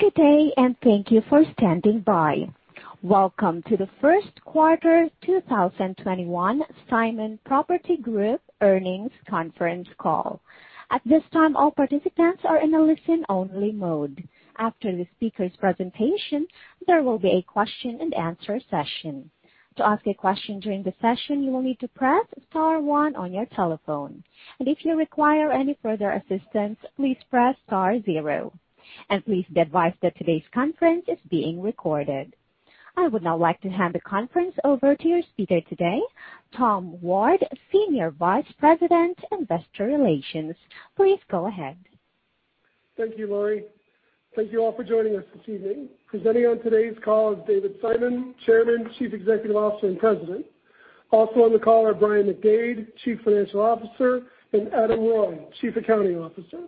Good day, and thank you for standing by. Welcome to the first quarter 2021 Simon Property Group earnings conference call. At this time all participants is now in a listen-only mode. After the speakers presentation, there will be a question-and-answer session. To ask a question during the session, you will need to press star one on your telephone. And if you require any further assistance, please press star zero. And please be advised that todays conference is being recorded. I would now like to hand the conference over to your speaker today, Tom Ward, Senior Vice President, Investor Relations. Please go ahead. Thank you, Laurie. Thank you all for joining us this evening. Presenting on today's call is David Simon, Chairman, Chief Executive Officer, and President. Also on the call are Brian McDade, Chief Financial Officer, and Adam Reuille, Chief Accounting Officer.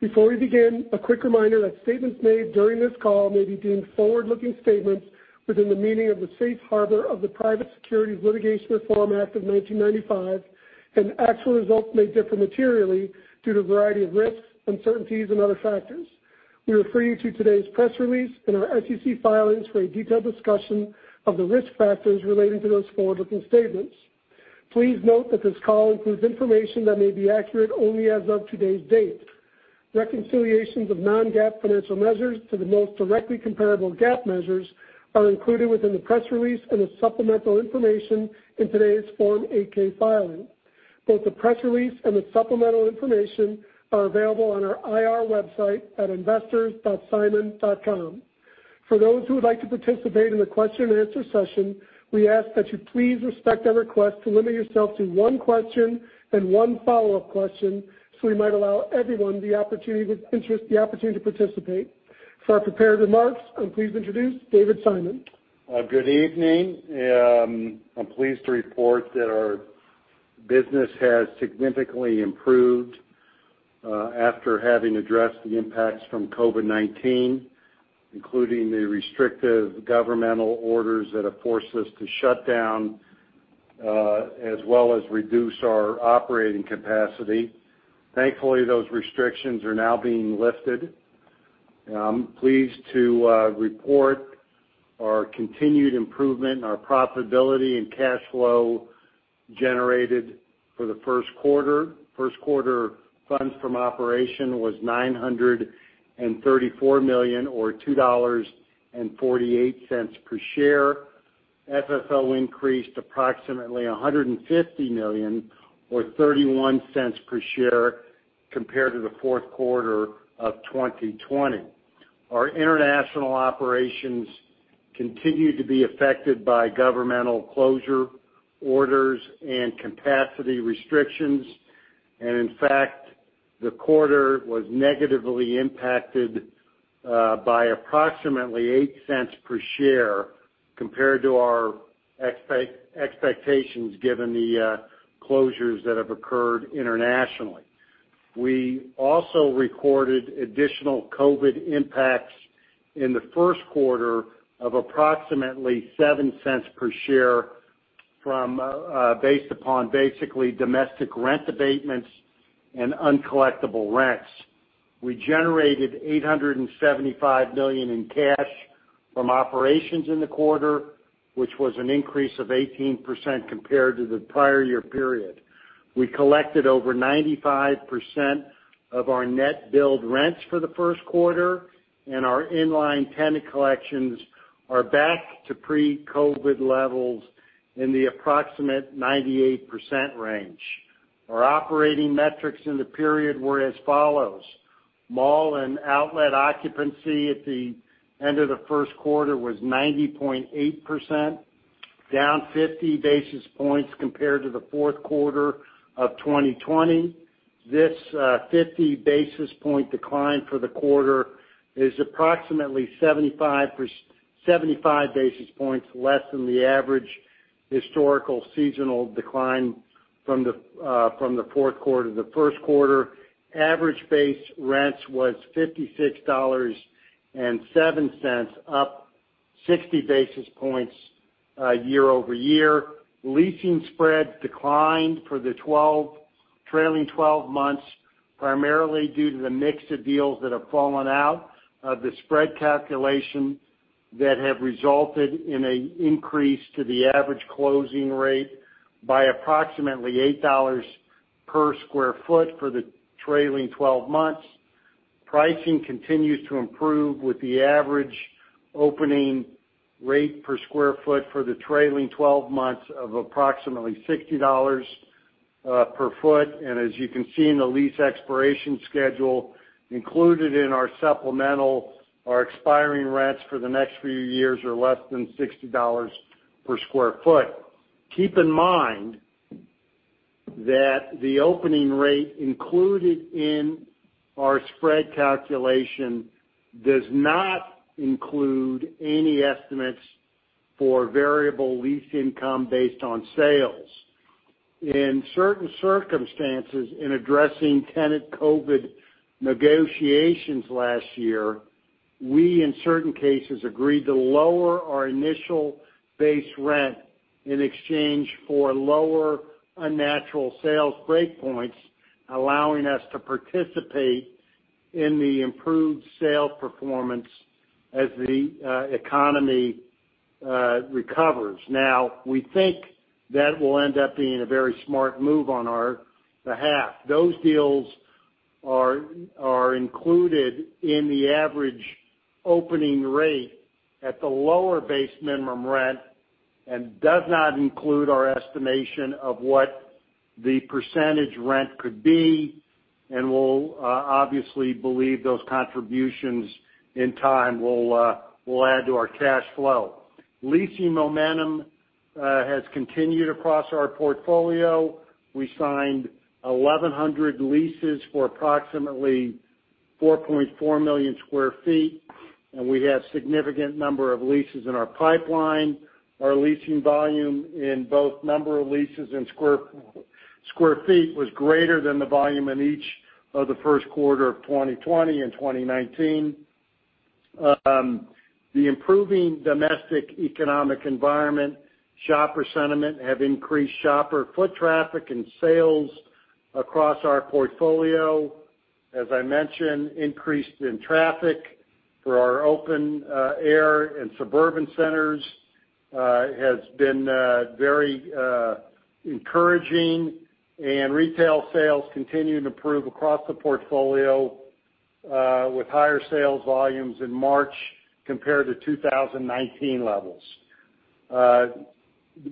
Before we begin, a quick reminder that statements made during this call may be deemed forward-looking statements within the meaning of the Safe Harbor of the Private Securities Litigation Reform Act of 1995. Actual results may differ materially due to a variety of risks, uncertainties, and other factors. We refer you to today's press release and our SEC filings for a detailed discussion of the risk factors relating to those forward-looking statements. Please note that this call includes information that may be accurate only as of today's date. Reconciliations of non-GAAP financial measures to the most directly comparable GAAP measures are included within the press release and the supplemental information in today's Form 8-K filing. Both the press release and the supplemental information are available on our IR website at investors.simon.com. For those who would like to participate in the question and answer session, we ask that you please respect our request to limit yourself to one question and one follow-up question so we might allow everyone the opportunity to participate. For our prepared remarks, I'm pleased to introduce David Simon. Good evening. I'm pleased to report that our business has significantly improved after having addressed the impacts from COVID-19, including the restrictive governmental orders that have forced us to shut down as well as reduce our operating capacity. Thankfully, those restrictions are now being lifted. I'm pleased to report our continued improvement in our profitability and cash flow generated for the first quarter. First quarter funds from operation was $934 million or $2.48 per share. FFO increased approximately $150 million or $0.31 per share compared to the fourth quarter of 2020. Our international operations continued to be affected by governmental closure orders and capacity restrictions, and in fact, the quarter was negatively impacted by approximately $0.08 per share compared to our expectations given the closures that have occurred internationally. We also recorded additional COVID impacts in the first quarter of approximately $0.07 per share based upon basically domestic rent abatements and uncollectible rents. We generated $875 million in cash from operations in the quarter, which was an increase of 18% compared to the prior year period. We collected over 95% of our net billed rents for the first quarter, and our in-line tenant collections are back to pre-COVID levels in the approximate 98% range. Our operating metrics in the period were as follows. Mall and outlet occupancy at the end of the first quarter was 90.8%, down 50 basis points compared to the fourth quarter of 2020. This 50 basis point decline for the quarter is approximately 75 basis points less than the average historical seasonal decline from the fourth quarter to the first quarter. Average base rents was $56.07, up 60 basis points year-over-year. Leasing spread declined for the trailing 12 months, primarily due to the mix of deals that have fallen out of the spread calculation that have resulted in an increase to the average closing rate by approximately $8 per sq ft for the trailing 12 months. Pricing continues to improve with the average opening rate per sq ft for the trailing 12 months of approximately $60 per ft. As you can see in the lease expiration schedule included in our supplemental, our expiring rents for the next few years are less than $60 per sq ft. Keep in mind that the opening rate included in our spread calculation does not include any estimates for variable lease income based on sales. In certain circumstances in addressing tenant COVID negotiations last year. We, in certain cases, agreed to lower our initial base rent in exchange for lower unnatural sales breakpoints, allowing us to participate in the improved sale performance as the economy recovers. We think that will end up being a very smart move on our behalf. Those deals are included in the average opening rate at the lower base minimum rent and does not include our estimation of what the percentage rent could be. We'll obviously believe those contributions in time will add to our cash flow. Leasing momentum has continued across our portfolio. We signed 1,100 leases for approximately 4.4 million sq ft. We have significant number of leases in our pipeline. Our leasing volume in both number of leases and square feet was greater than the volume in each of the first quarter of 2020 and 2019. The improving domestic economic environment, shopper sentiment have increased shopper foot traffic and sales across our portfolio. As I mentioned, increased in traffic for our open air and suburban centers has been very encouraging, and retail sales continue to improve across the portfolio with higher sales volumes in March compared to 2019 levels.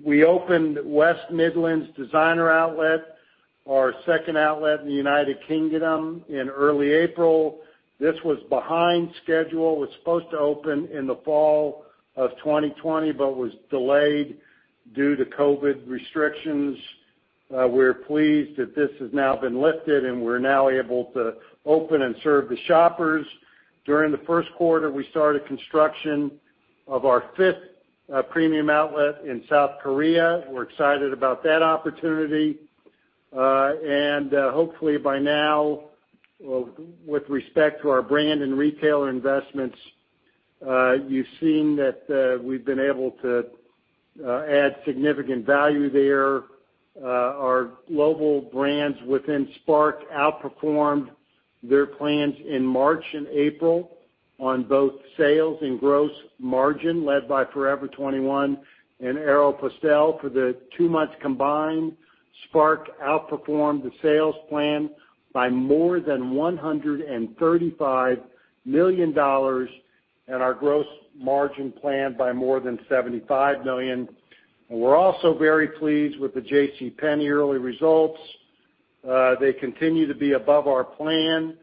We opened West Midlands Designer Outlet, our second outlet in the United Kingdom, in early April. This was behind schedule. It was supposed to open in the fall of 2020, but was delayed due to COVID restrictions. We're pleased that this has now been lifted, and we're now able to open and serve the shoppers. During the first quarter, we started construction of our fifth premium outlet in South Korea. We're excited about that opportunity. Hopefully by now, with respect to our brand and retailer investments, you've seen that we've been able to add significant value there. Our global brands within SPARC outperformed their plans in March and April on both sales and gross margin, led by Forever 21 and Aéropostale. For the two months combined, SPARC outperformed the sales plan by more than $135 million and our gross margin plan by more than $75 million. We're also very pleased with the JCPenney early results. They continue to be above our plan.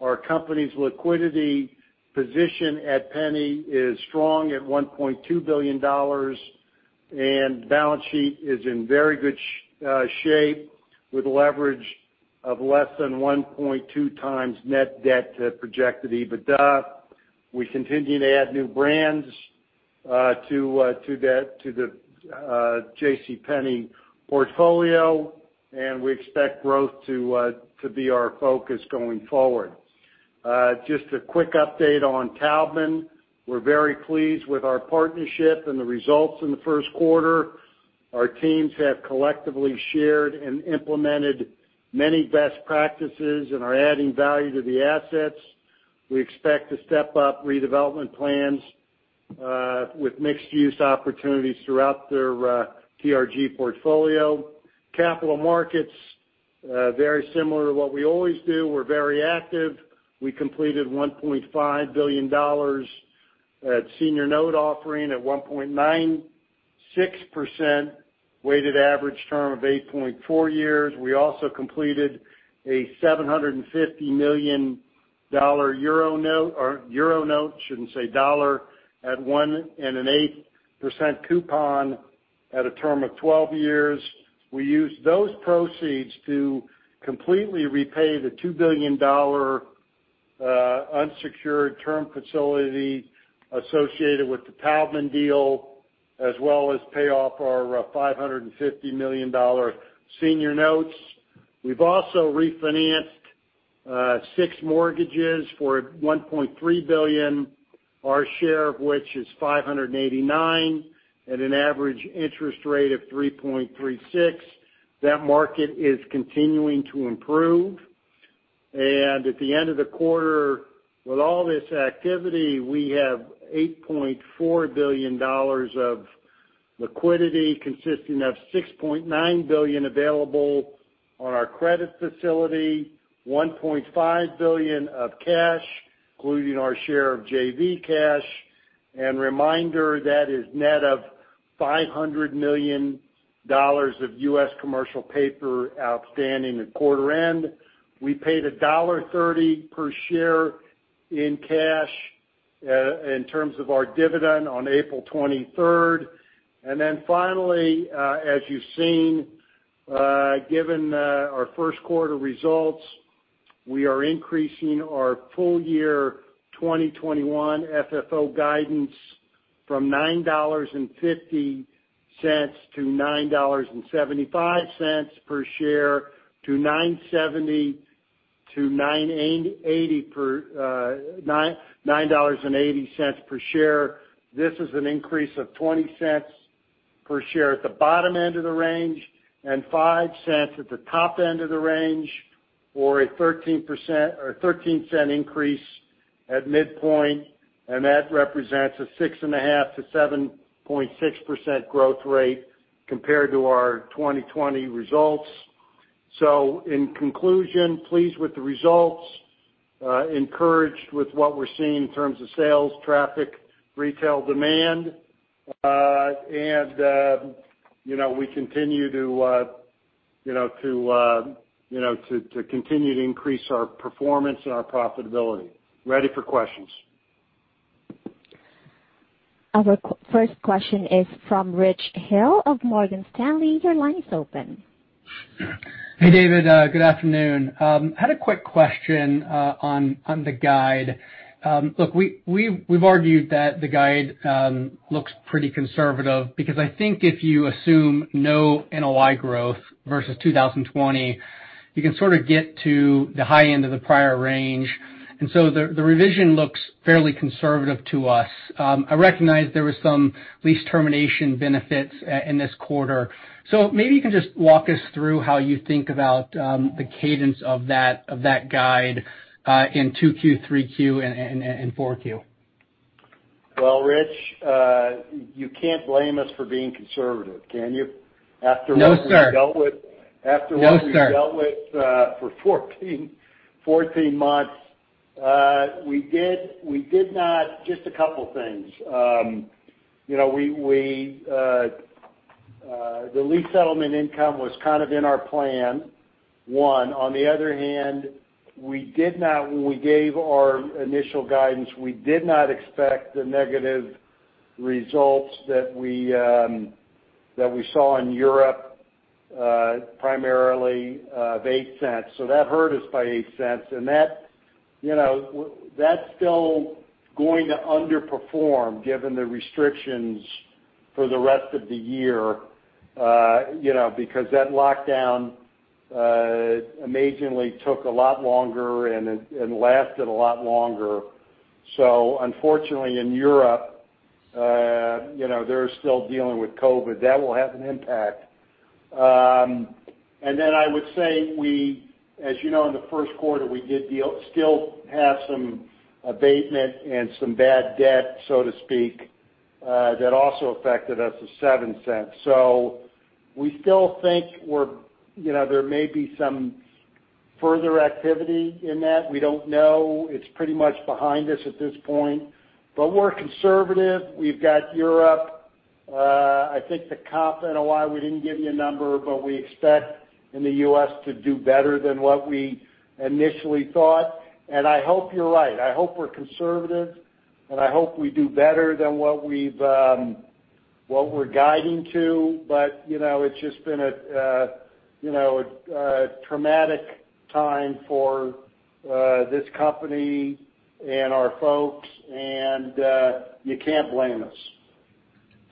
Our company's liquidity position at Penney is strong at $1.2 billion, and balance sheet is in very good shape with leverage of less than 1.2 times net debt to projected EBITDA. We continue to add new brands to the JCPenney portfolio. We expect growth to be our focus going forward. Just a quick update on Taubman. We're very pleased with our partnership and the results in the first quarter. Our teams have collectively shared and implemented many best practices and are adding value to the assets. We expect to step up redevelopment plans with mixed-use opportunities throughout their TRG portfolio. Capital markets, very similar to what we always do. We're very active. We completed $1.5 billion at senior note offering at 1.96% weighted average term of 8.4 years. We also completed a 750 million Euro note, shouldn't say dollar, at 1.8% coupon at a term of 12 years. We used those proceeds to completely repay the $2 billion unsecured term facility associated with the Taubman deal, as well as pay off our $550 million senior notes. We've also refinanced six mortgages for $1.3 billion, our share of which is $589 at an average interest rate of 3.36%. That market is continuing to improve. At the end of the quarter, with all this activity, we have $8.4 billion of liquidity, consisting of $6.9 billion available on our credit facility, $1.5 billion of cash, including our share of JV cash. Reminder, that is net of $500 million of U.S. commercial paper outstanding at quarter end. We paid $1.30 per share in cash in terms of our dividend on April 23rd. Finally, as you've seen, given our first quarter results, we are increasing our full year 2021 FFO guidance from $9.50-$9.75 per share to $9.70-$9.80 per share. This is an increase of $0.20 per share at the bottom end of the range and $0.05 at the top end of the range, or a $0.13 increase at midpoint, and that represents a 6.5%-7.6% growth rate compared to our 2020 results. In conclusion, pleased with the results, encouraged with what we're seeing in terms of sales, traffic, retail demand, and we continue to increase our performance and our profitability. Ready for questions. Our first question is from Rich Hill of Morgan Stanley. Your line is open. Hey, David. Good afternoon. Had a quick question on the guide. Look, we've argued that the guide looks pretty conservative because I think if you assume no NOI growth versus 2020, you can sort of get to the high end of the prior range. The revision looks fairly conservative to us. I recognize there was some lease termination benefits in this quarter. Maybe you can just walk us through how you think about the cadence of that guide in 2Q, 3Q, and 4Q. Well, Rich, you can't blame us for being conservative, can you? No, sir. After what we've dealt with. No, sir. for 14 months. Just a couple things. The lease settlement income was kind of in our plan, one. On the other hand, when we gave our initial guidance, we did not expect the negative results that we saw in Europe, primarily of $0.08. That hurt us by $0.08, and that's still going to underperform given the restrictions for the rest of the year, because that lockdown amazingly took a lot longer and lasted a lot longer. Unfortunately in Europe, they're still dealing with COVID. That will have an impact. I would say, as you know in the first quarter, we did still have some abatement and some bad debt, so to speak, that also affected us to $0.07. We still think there may be some further activity in that. We don't know. It's pretty much behind us at this point. We're conservative. We've got Europe. I think the comp NOI, we didn't give you a number, but we expect in the U.S. to do better than what we initially thought. I hope you're right. I hope we're conservative, and I hope we do better than what we're guiding to. It's just been a traumatic time for this company and our folks, and you can't blame us.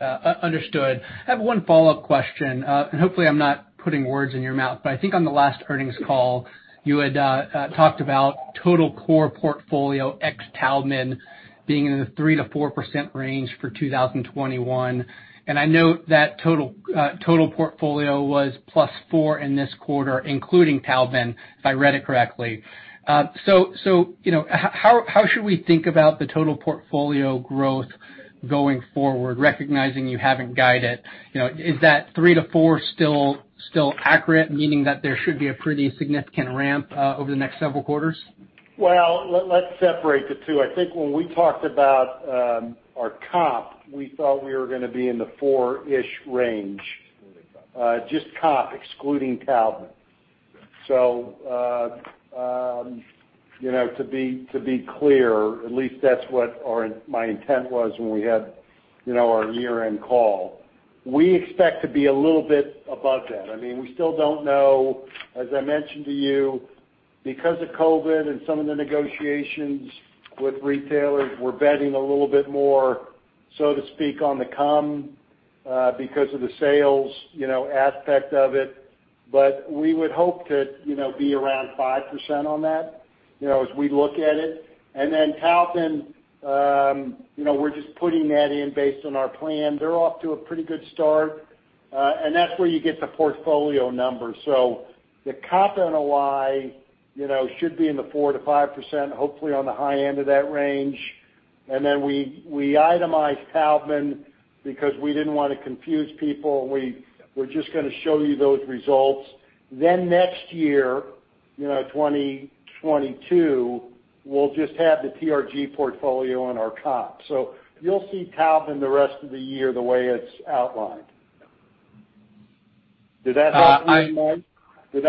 Understood. Hopefully I'm not putting words in your mouth, I think on the last earnings call, you had talked about total core portfolio ex Taubman being in the 3%-4% range for 2021. I note that total portfolio was +4 in this quarter, including Taubman, if I read it correctly. How should we think about the total portfolio growth going forward, recognizing you haven't guided? Is that 3%-4% still accurate, meaning that there should be a pretty significant ramp over the next several quarters? Well, let's separate the two. I think when we talked about our comparable, we thought we were gonna be in the four-ish range. Just comp. Just comparable, excluding Taubman. To be clear, at least that's what my intent was when we had our year-end call. We expect to be a little bit above that. We still don't know, as I mentioned to you, because of COVID and some of the negotiations with retailers, we're betting a little bit more, so to speak, on the come because of the sales aspect of it. We would hope to be around 5% on that, as we look at it. Then Taubman, we're just putting that in based on our plan. They're off to a pretty good start. That's where you get the portfolio number. The comparable NOI, should be in the 4%-5%, hopefully on the high end of that range. Then we itemized Taubman because we didn't want to confuse people, and we're just gonna show you those results. Next year, 2022, we'll just have the TRG portfolio and our comparable. You'll see Taubman the rest of the year the way it's outlined. Did that help, Rich?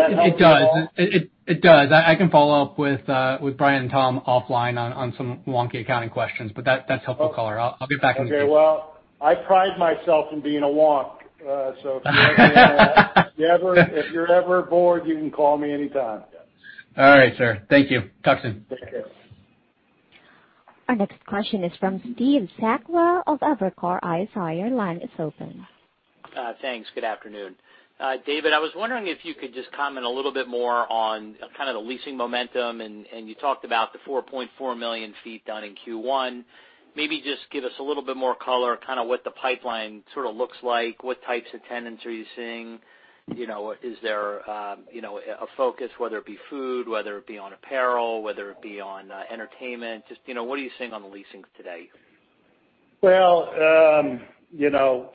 It does. I can follow up with Brian and Tom offline on some wonky accounting questions, but that's helpful color. I'll get back with you. Okay. Well, I pride myself in being a wonk. If you're ever bored, you can call me anytime. All right, sir. Thank you. Talk soon. Take care. Our next question is from Steve Sakwa of Evercore ISI. Your line is open. Thanks. Good afternoon. David, I was wondering if you could just comment a little bit more on kind of the leasing momentum, and you talked about the 4.4 million ft done in Q1. Maybe just give us a little bit more color, kind of what the pipeline sort of looks like. What types of tenants are you seeing? Is there a focus, whether it be food, whether it be on apparel, whether it be on entertainment? Just what are you seeing on the leasing today? Well,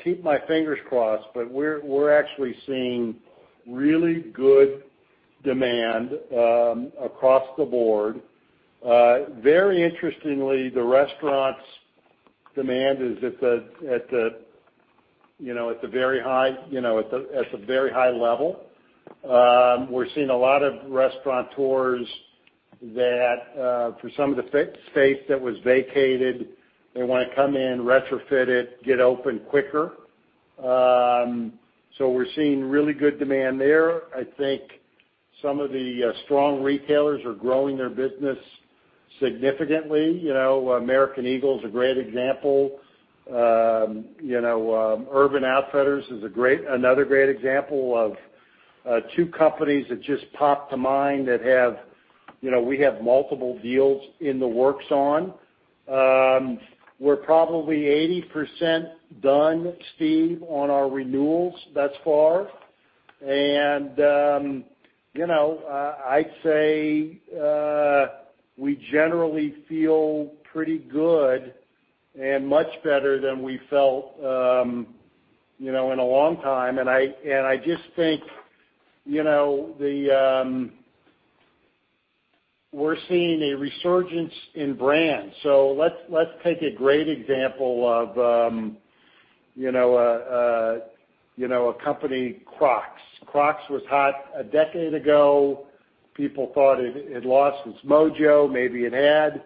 keep my fingers crossed, we're actually seeing really good demand across the board. Very interestingly, the restaurants demand is at the very high level. We're seeing a lot of restaurateurs that for some of the space that was vacated, they want to come in, retrofit it, get open quicker. We're seeing really good demand there. I think some of the strong retailers are growing their business significantly. American Eagle is a great example. Urban Outfitters is another great example of two companies that just pop to mind that we have multiple deals in the works on. We're probably 80% done, Steve, on our renewals thus far. I'd say we generally feel pretty good and much better than we felt in a long time. I just think we're seeing a resurgence in brands. Let's take a great example of a company, Crocs. Crocs was hot a decade ago. People thought it lost its mojo. Maybe it had.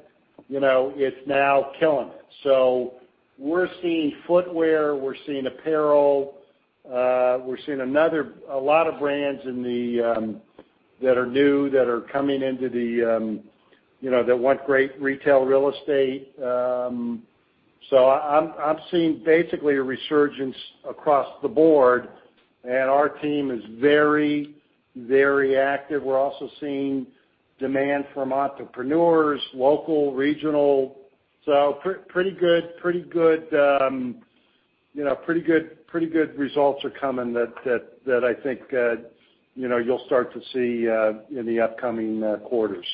It's now killing it. We're seeing footwear, we're seeing apparel. We're seeing a lot of brands that are new, that want great retail real estate. I'm seeing basically a resurgence across the board, and our team is very active. We're also seeing demand from entrepreneurs, local, regional. Pretty good results are coming that I think you'll start to see in the upcoming quarters.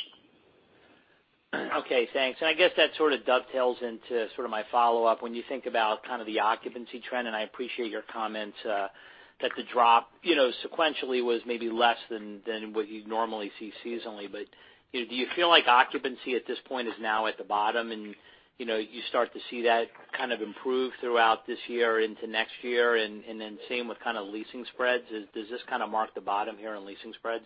Okay, thanks. I guess that sort of dovetails into sort of my follow-up when you think about kind of the occupancy trend, I appreciate your comments that the drop sequentially was maybe less than what you'd normally see seasonally. Do you feel like occupancy at this point is now at the bottom and you start to see that kind of improve throughout this year into next year? Same with kind of leasing spreads. Does this kind of mark the bottom here on leasing spreads?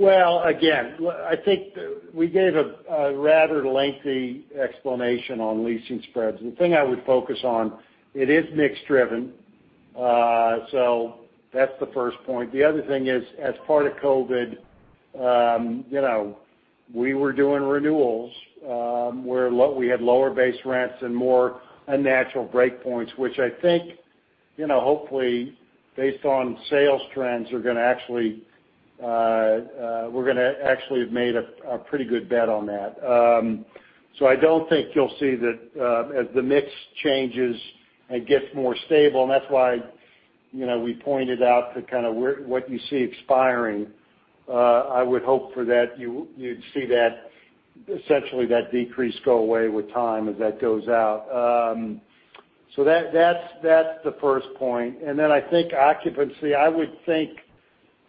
Again, I think we gave a rather lengthy explanation on leasing spreads. The thing I would focus on, it is mix driven. That's the first point. The other thing is, as part of COVID, we were doing renewals where we had lower base rents and more unnatural breakpoints, which I think hopefully based on sales trends, we're going to actually have made a pretty good bet on that. I don't think you'll see that as the mix changes and gets more stable, and that's why we pointed out the kind of what you see expiring. I would hope for that you'd see essentially that decrease go away with time as that goes out. That's the first point. I think occupancy, I would think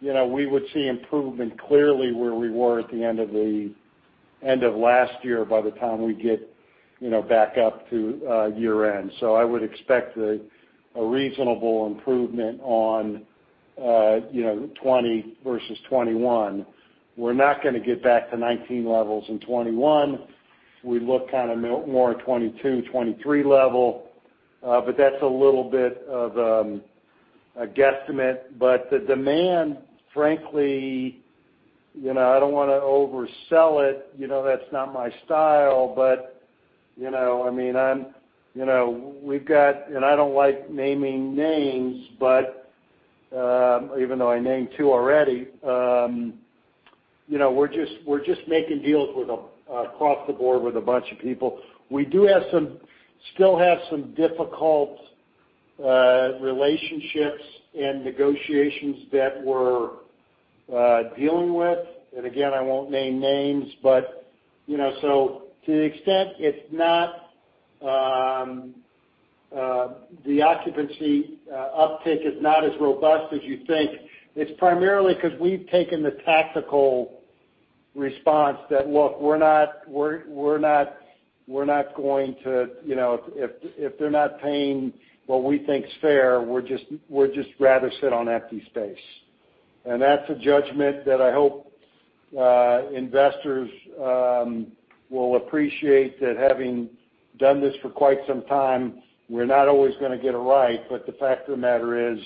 we would see improvement clearly where we were at the end of last year by the time we get back up to year end. I would expect a reasonable improvement on 2020 versus 2021. We're not going to get back to 2019 levels in 2021. We look kind of more at 2022, 2023 level. That's a little bit of a guesstimate. The demand, frankly, I don't want to oversell it. That's not my style. I don't like naming names, but even though I named two already, we're just making deals across the board with a bunch of people. We do still have some difficult relationships and negotiations that we're dealing with. Again, I won't name names, but so to the extent, the occupancy uptick is not as robust as you think. It's primarily because we've taken the tactical response that, look, if they're not paying what we think is fair, we'll just rather sit on empty space. That's a judgment that I hope investors will appreciate that having done this for quite some time, we're not always going to get it right. The fact of the matter is.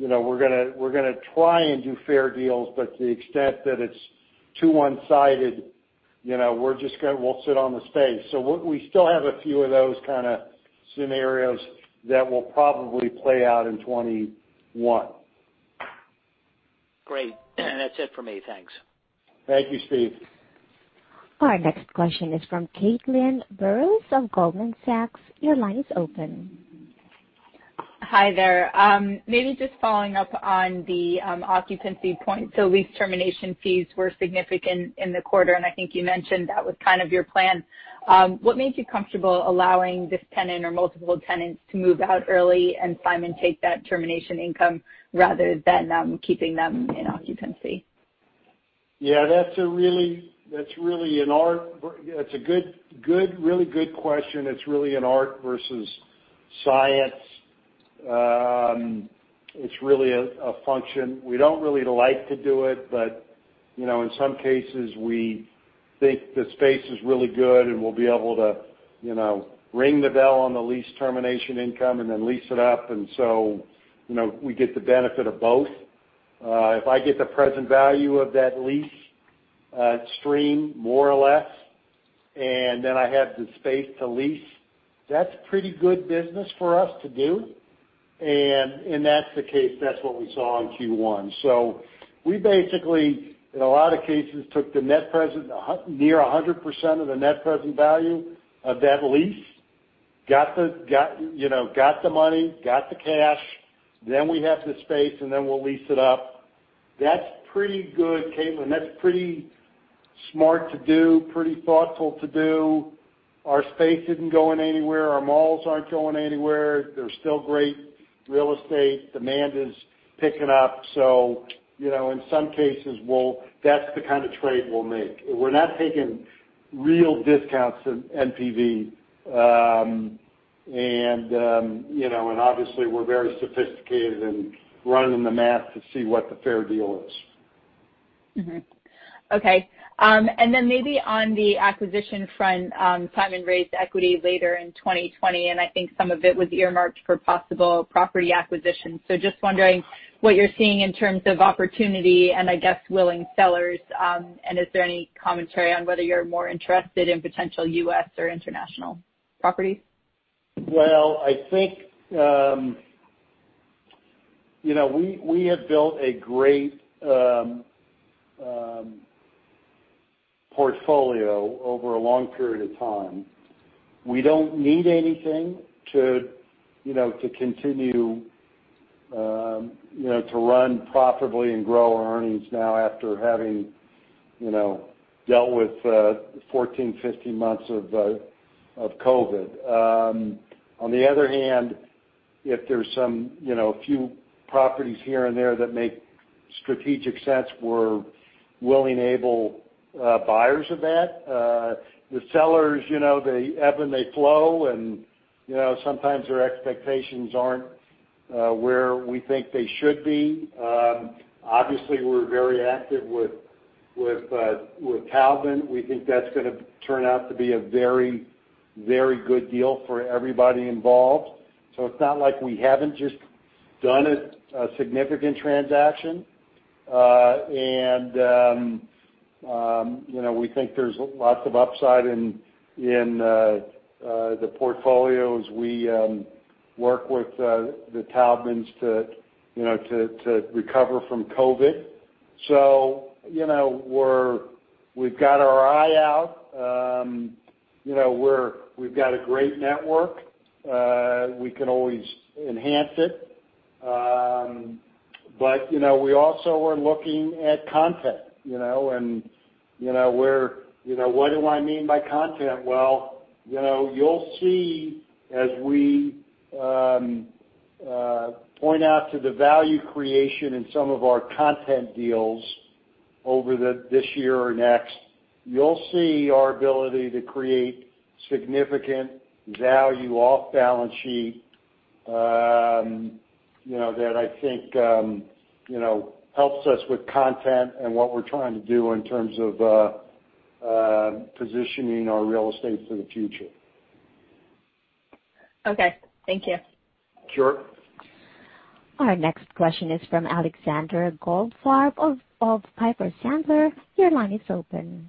We're going to try and do fair deals, but to the extent that it's too one-sided, we'll sit on the space. We still have a few of those kind of scenarios that will probably play out in 2021. Great. That's it for me. Thanks. Thank you, Steve. Our next question is from Caitlin Burrows of Goldman Sachs. Your line is open. Hi there. Maybe just following up on the occupancy point. Lease termination fees were significant in the quarter, and I think you mentioned that was kind of your plan. What makes you comfortable allowing this tenant or multiple tenants to move out early and Simon take that termination income rather than keeping them in occupancy? Yeah, that's a really good question. It's really an art versus science. It's really a function. We don't really like to do it, but, in some cases, we think the space is really good and we'll be able to ring the bell on the lease termination income and then lease it up. We get the benefit of both. If I get the present value of that lease stream, more or less, and then I have the space to lease, that's pretty good business for us to do. That's the case. That's what we saw in Q1. We basically, in a lot of cases, took near 100% of the net present value of that lease, got the money, got the cash, then we have the space, and then we'll lease it up. That's pretty good, Caitlin. That's pretty smart to do, pretty thoughtful to do. Our space isn't going anywhere. Our malls aren't going anywhere. They're still great real estate. Demand is picking up. In some cases, that's the kind of trade we'll make. We're not taking real discounts in NPV. Obviously, we're very sophisticated in running the math to see what the fair deal is. Mm-hmm. Okay. Maybe on the acquisition front, Simon raised equity later in 2020, and I think some of it was earmarked for possible property acquisition. Just wondering what you're seeing in terms of opportunity and, I guess, willing sellers. Is there any commentary on whether you're more interested in potential U.S. or international properties? Well, I think we have built a great portfolio over a long period of time. We don't need anything to continue to run profitably and grow earnings now after having dealt with 14, 15 months of COVID. On the other hand, if there's some few properties here and there that make strategic sense, we're willing, able buyers of that. The sellers, they ebb and they flow, and sometimes their expectations aren't where we think they should be. Obviously, we're very active with Taubman. We think that's going to turn out to be a very good deal for everybody involved. It's not like we haven't just done a significant transaction. We think there's lots of upside in the portfolios. We work with the Taubmans to recover from COVID. We've got our eye out. We've got a great network. We can always enhance it. We also are looking at content. What do I mean by content? You'll see as we point out to the value creation in some of our content deals over this year or next, you'll see our ability to create significant value off balance sheet, that I think helps us with content and what we're trying to do in terms of positioning our real estate for the future. Okay. Thank you. Sure. Our next question is from Alexander Goldfarb of Piper Sandler. Your line is open.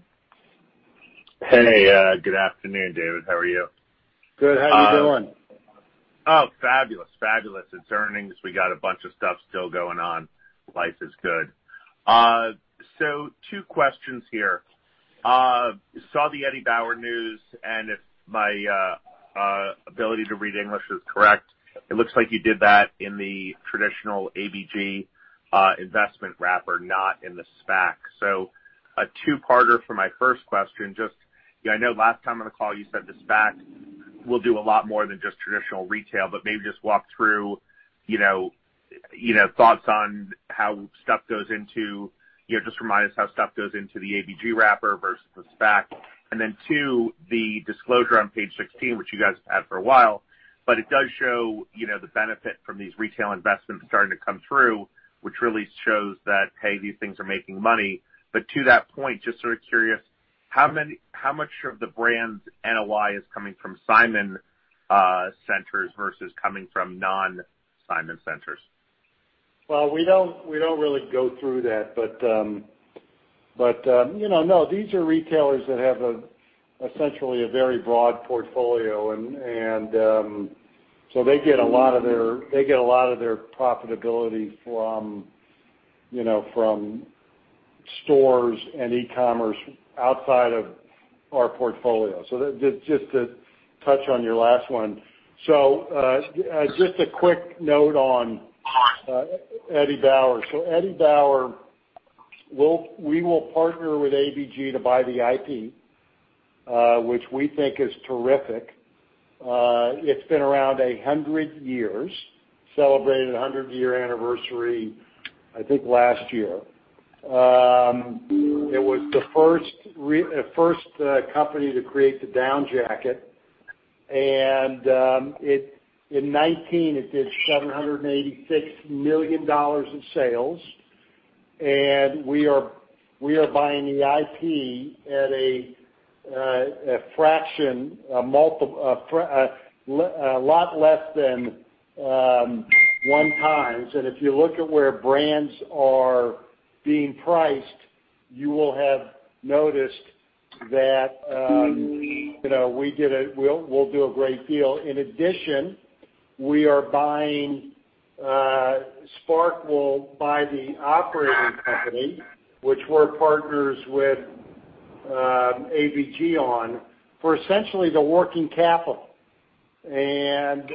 Hey, good afternoon, David. How are you? Good. How you doing? Oh, fabulous. It's earnings. We got a bunch of stuff still going on. Life is good. Two questions here. Saw the Eddie Bauer news, and if my ability to read English is correct, it looks like you did that in the traditional ABG investment wrapper, not in the SPAC. A two-parter for my first question, just I know last time on the call you said the SPAC will do a lot more than just traditional retail, but maybe just walk through thoughts on just remind us how stuff goes into the ABG wrapper versus the SPAC. Two, the disclosure on page 16, which you guys have had for a while, but it does show the benefit from these retail investments starting to come through, which really shows that, hey, these things are making money. To that point, just sort of curious. How much of the brand's NOI is coming from Simon centers versus coming from non-Simon centers? We don't really go through that. No, these are retailers that have essentially a very broad portfolio, they get a lot of their profitability from stores and e-commerce outside of our portfolio. Just to touch on your last one. Just a quick note on Eddie Bauer. Eddie Bauer, we will partner with ABG to buy the IP, which we think is terrific. It's been around 100 years, celebrating 100-year anniversary, I think last year. It was the first company to create the down jacket, in 2019 it did $786 million in sales. We are buying the IP at a fraction, a lot less than one times. If you look at where brands are being priced, you will have noticed that we'll do a great deal. In addition, SPARC will buy the operating company, which we're partners with ABG on, for essentially the working capital. They'll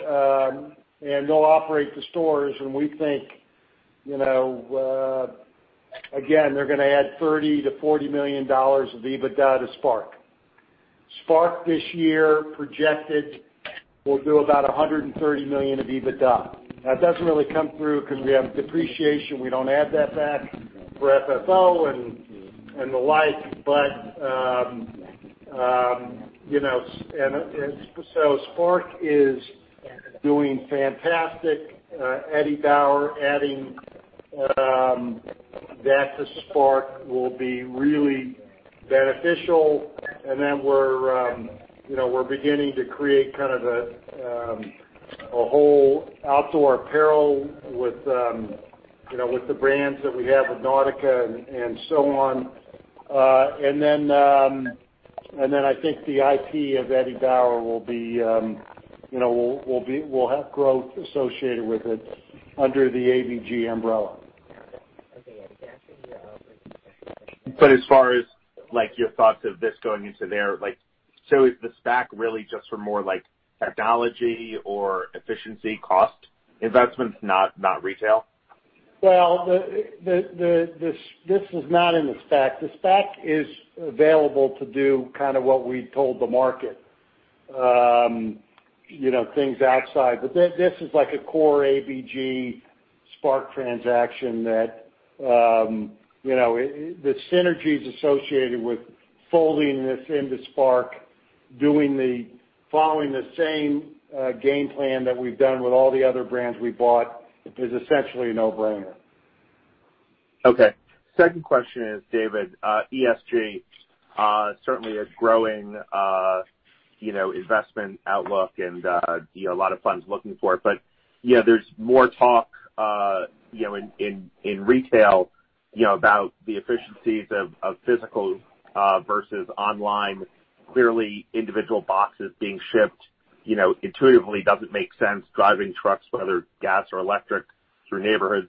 operate the stores, and we think again, they're going to add $30 million-$40 million of EBITDA to SPARC. SPARC this year projected will do about $130 million of EBITDA. That doesn't really come through because we have depreciation. We don't add that back for FFO and the like. SPARC is doing fantastic. Eddie Bauer, adding that to SPARC will be really beneficial. We're beginning to create kind of a whole outdoor apparel with the brands that we have with Nautica and so on. I think the IP of Eddie Bauer will have growth associated with it under the ABG umbrella. As far as your thoughts of this going into there, is the SPAC really just for more technology or efficiency cost investments, not retail? Well, this is not in the SPAC. The SPAC is available to do kind of what we told the market, things outside. This is like a core ABG SPARC transaction that the synergies associated with folding this into SPARC, following the same game plan that we've done with all the other brands we bought, is essentially a no-brainer. Okay. Second question is, David, ESG, certainly a growing investment outlook and a lot of funds looking for it. There's more talk in retail about the efficiencies of physical versus online. Clearly, individual boxes being shipped, intuitively doesn't make sense, driving trucks, whether gas or electric, through neighborhoods,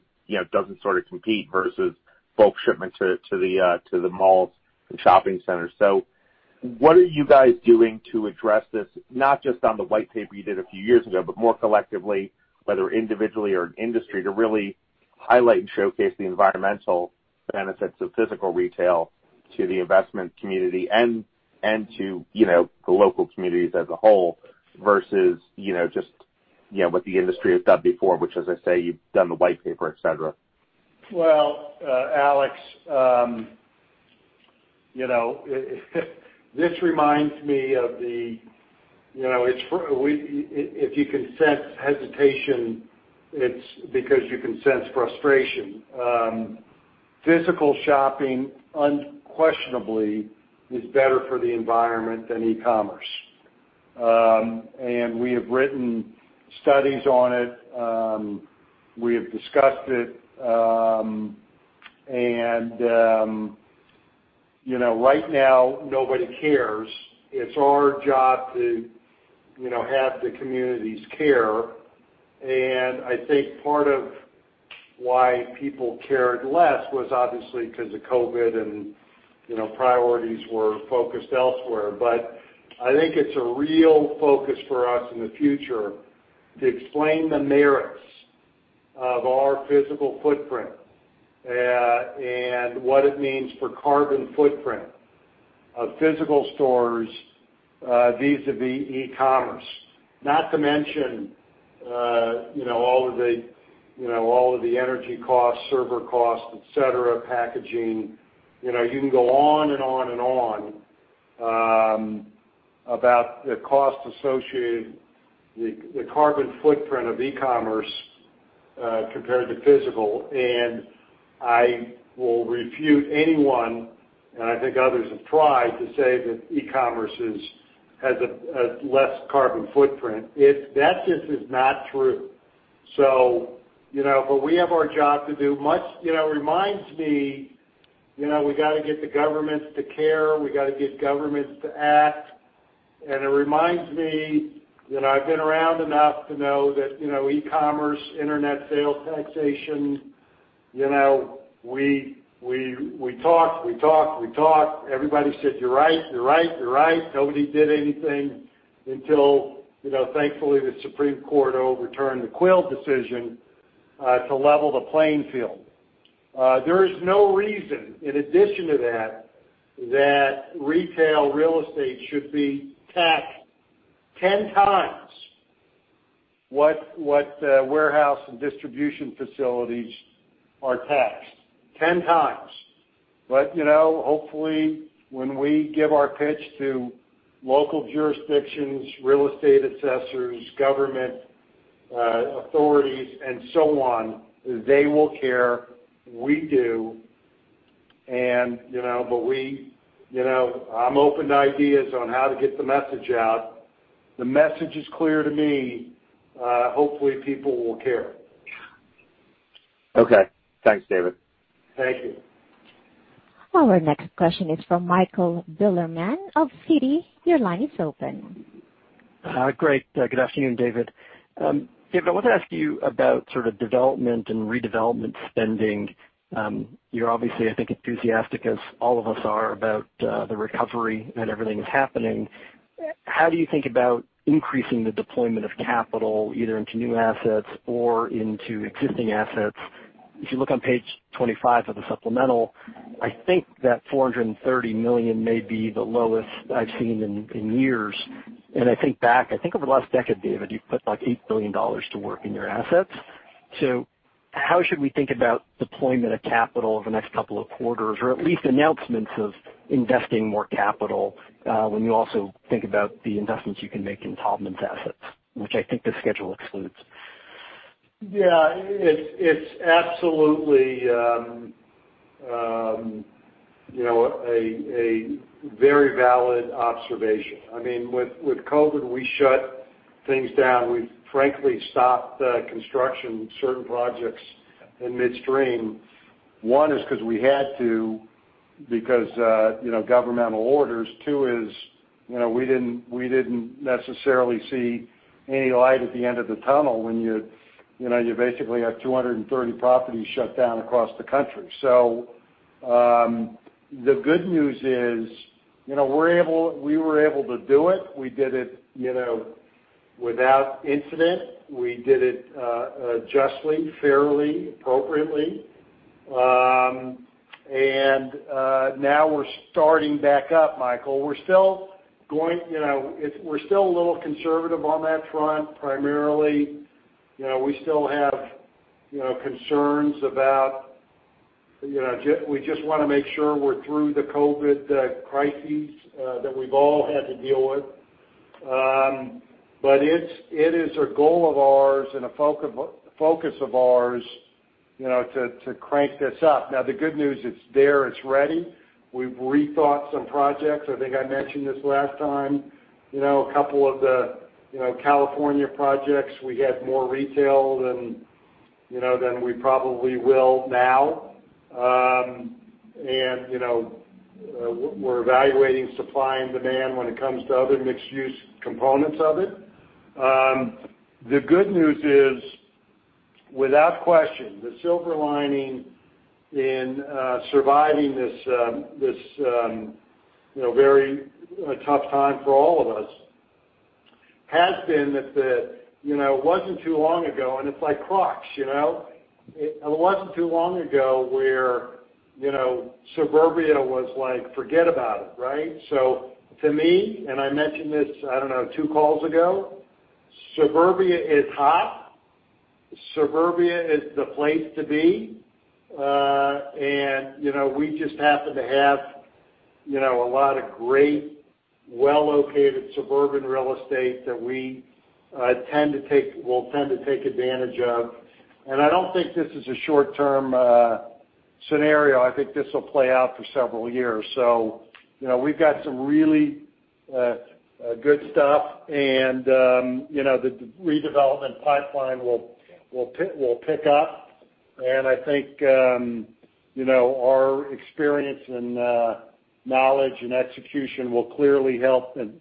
doesn't compete versus bulk shipment to the malls and shopping centers. What are you guys doing to address this, not just on the white paper you did a few years ago, but more collectively, whether individually or in industry, to really highlight and showcase the environmental benefits of physical retail to the investment community and to the local communities as a whole versus just what the industry has done before, which, as I say, you've done the white paper, et cetera? Well, Alex, this reminds me of if you can sense hesitation, it's because you can sense frustration. Physical shopping unquestionably is better for the environment than e-commerce. We have written studies on it. We have discussed it. Right now, nobody cares. It's our job to have the communities care. I think part of why people cared less was obviously because of COVID and priorities were focused elsewhere. I think it's a real focus for us in the future to explain the merits of our physical footprint, and what it means for carbon footprint of physical stores vis-a-vis e-commerce. Not to mention all of the energy costs, server costs, et cetera, packaging. You can go on and on and on about the cost associated, the carbon footprint of e-commerce compared to physical. I will refute anyone, and I think others have tried, to say that e-commerce has a less carbon footprint. That just is not true. We have our job to do. It reminds me, we got to get the governments to care. We got to get governments to act. It reminds me that I've been around enough to know that e-commerce, internet sales taxation, we talk, we talk, we talk. Everybody said, "You're right, you're right, you're right." Nobody did anything until, thankfully, the Supreme Court overturned the Quill decision to level the playing field. There is no reason, in addition to that retail real estate should be taxed 10x what warehouse and distribution facilities are taxed. 10x. Hopefully, when we give our pitch to local jurisdictions, real estate assessors, government authorities, and so on, they will care. We do. I'm open to ideas on how to get the message out. The message is clear to me. Hopefully, people will care. Okay. Thanks, David. Thank you. Our next question is from Michael Bilerman of Citi. Your line is open. Great. Good afternoon, David. David, I wanted to ask you about sort of development and redevelopment spending. You're obviously, I think, enthusiastic, as all of us are, about the recovery and everything that's happening. How do you think about increasing the deployment of capital, either into new assets or into existing assets? If you look on page 25 of the supplemental, I think that $430 million may be the lowest I've seen in years. I think back, I think over the last decade, David, you've put like $8 billion to work in your assets. How should we think about deployment of capital over the next couple of quarters? Or at least announcements of investing more capital, when you also think about the investments you can make in Taubman's assets, which I think the schedule excludes. Yeah. It's absolutely a very valid observation. With COVID, we shut things down. We frankly stopped construction, certain projects in midstream. One is because we had to because governmental orders. Two is, we didn't necessarily see any light at the end of the tunnel when you basically have 230 properties shut down across the country. The good news is we were able to do it. We did it without incident. We did it justly, fairly, appropriately. Now we're starting back up, Michael. We're still a little conservative on that front. Primarily, we still have concerns. We just want to make sure we're through the COVID crisis that we've all had to deal with. It is a goal of ours and a focus of ours to crank this up. Now, the good news, it's there, it's ready. We've rethought some projects. I think I mentioned this last time. A couple of the California projects, we had more retail than we probably will now. We're evaluating supply and demand when it comes to other mixed-use components of it. The good news is, without question, the silver lining in surviving this very tough time for all of us has been that it wasn't too long ago, and it's like clocks. It wasn't too long ago where suburbia was like, forget about it, right? To me, and I mentioned this, I don't know, two calls ago, suburbia is hot. Suburbia is the place to be. We just happen to have a lot of great, well-located suburban real estate that we'll tend to take advantage of. I don't think this is a short-term scenario. I think this will play out for several years. We've got some really good stuff, and the redevelopment pipeline will pick up. I think our experience and knowledge and execution will clearly help. The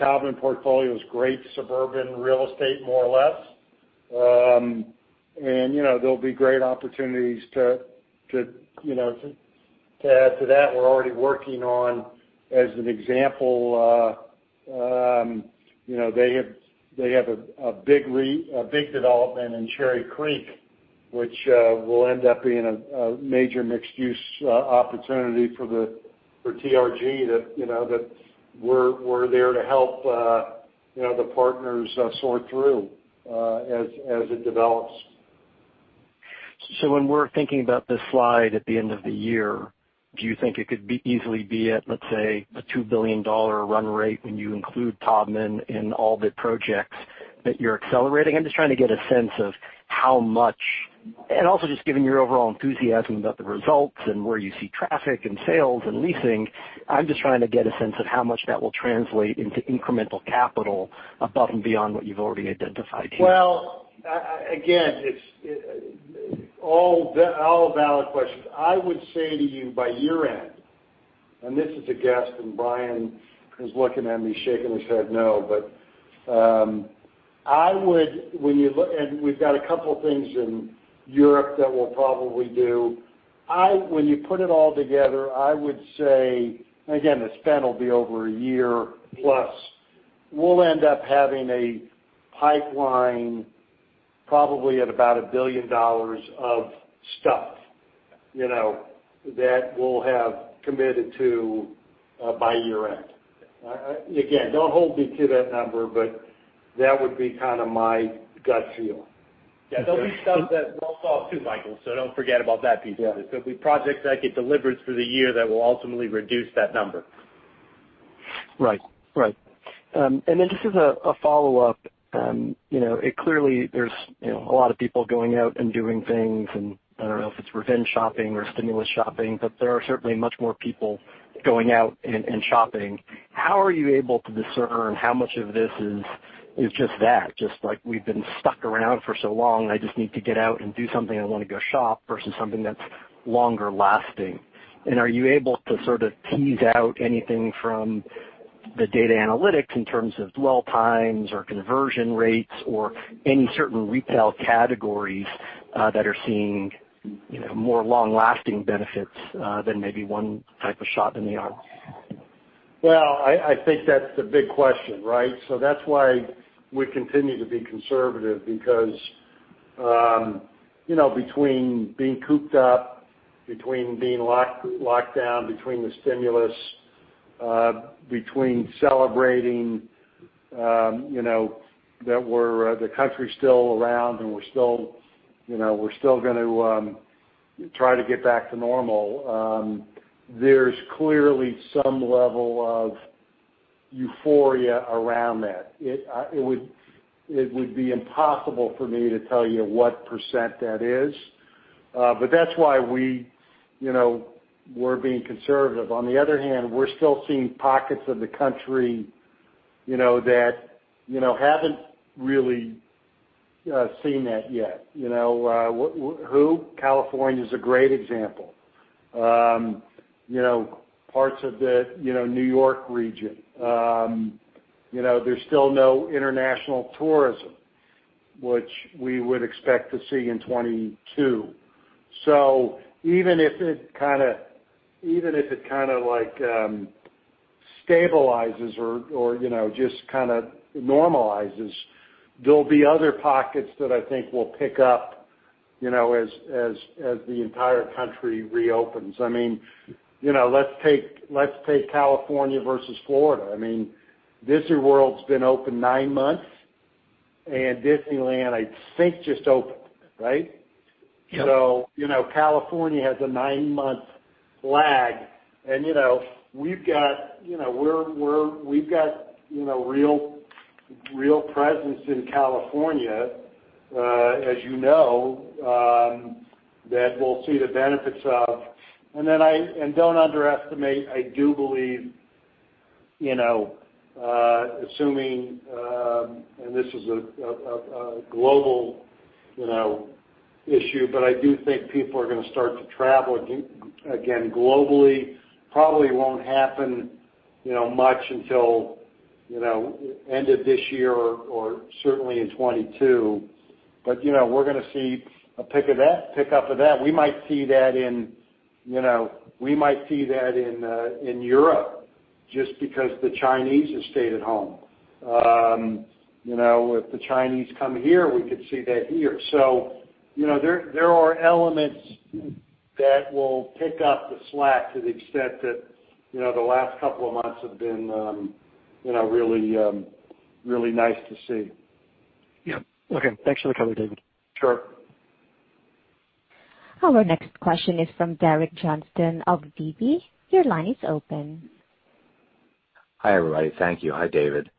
Taubman portfolio is great suburban real estate, more or less. There'll be great opportunities to add to that. We're already working on, as an example, they have a big development in Cherry Creek, which will end up being a major mixed-use opportunity for TRG that we're there to help the partners sort through as it develops. When we're thinking about this slide at the end of the year, do you think it could easily be at, let's say, a $2 billion run rate when you include Taubman in all the projects that you're accelerating? I'm just trying to get a sense of how much, and also just given your overall enthusiasm about the results and where you see traffic and sales and leasing, I'm just trying to get a sense of how much that will translate into incremental capital above and beyond what you've already identified here. Well, again, all valid questions. I would say to you by year-end, and this is a guess, and Brian is looking at me shaking his head no, but we've got a couple things in Europe that we'll probably do. When you put it all together, I would say, again, the spend will be over a year plus, we'll end up having a pipeline probably at about $1 billion of stuff, that we'll have committed to by year-end. Don't hold me to that number, but that would be kind of my gut feel. Yeah. There'll be stuff that we'll sell too, Michael, so don't forget about that piece of it. Yeah. There'll be projects that get delivered through the year that will ultimately reduce that number. Right. Just as a follow-up, clearly there's a lot of people going out and doing things, and I don't know if it's revenge shopping or stimulus shopping, but there are certainly much more people going out and shopping. How are you able to discern how much of this is just that? Just like we've been stuck around for so long, I just need to get out and do something. I want to go shop versus something that's longer lasting. Are you able to sort of tease out anything from the data analytics in terms of dwell times or conversion rates or any certain retail categories that are seeing more long-lasting benefits than maybe one type of shot in the arm? Well, I think that's the big question, right? That's why we continue to be conservative because, between being cooped up, between being locked down, between the stimulus, between celebrating that the country's still around and we're still going to try to get back to normal. There's clearly some level of euphoria around that. It would be impossible for me to tell you what percent that is. That's why we're being conservative. On the other hand, we're still seeing pockets of the country that haven't really seen that yet. Who? California's a great example. Parts of the New York region. There's still no international tourism, which we would expect to see in 2022. Even if it kind of stabilizes or just kind of normalizes, there'll be other pockets that I think will pick up as the entire country reopens. Let's take California versus Florida. Disney World's been open nine months and Disneyland, I think, just opened, right? Yep. California has a nine-month lag, and we've got real presence in California, as you know, that we'll see the benefits of. Don't underestimate, I do believe, assuming, and this is a global issue, but I do think people are going to start to travel again globally. Probably won't happen much until end of this year or certainly in 2022. We're going to see a pickup of that. We might see that in Europe just because the Chinese have stayed at home. If the Chinese come here, we could see that here. There are elements that will pick up the slack to the extent that the last couple of months have been really nice to see. Yeah. Okay. Thanks for the color, David. Sure. Our next question is from Derek Johnston of Deutsche Bank Securities. Your line is open. Hi, everybody. Thank you. Hi, David.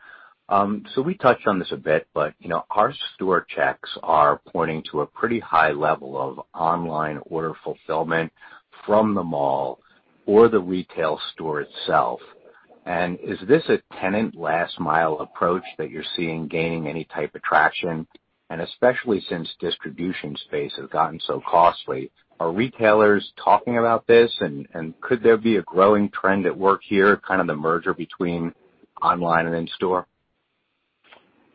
We touched on this a bit, but our store checks are pointing to a pretty high level of online order fulfillment from the mall or the retail store itself. Is this a tenant last mile approach that you're seeing gaining any type of traction? Especially since distribution space has gotten so costly, are retailers talking about this? Could there be a growing trend at work here, kind of the merger between online and in-store?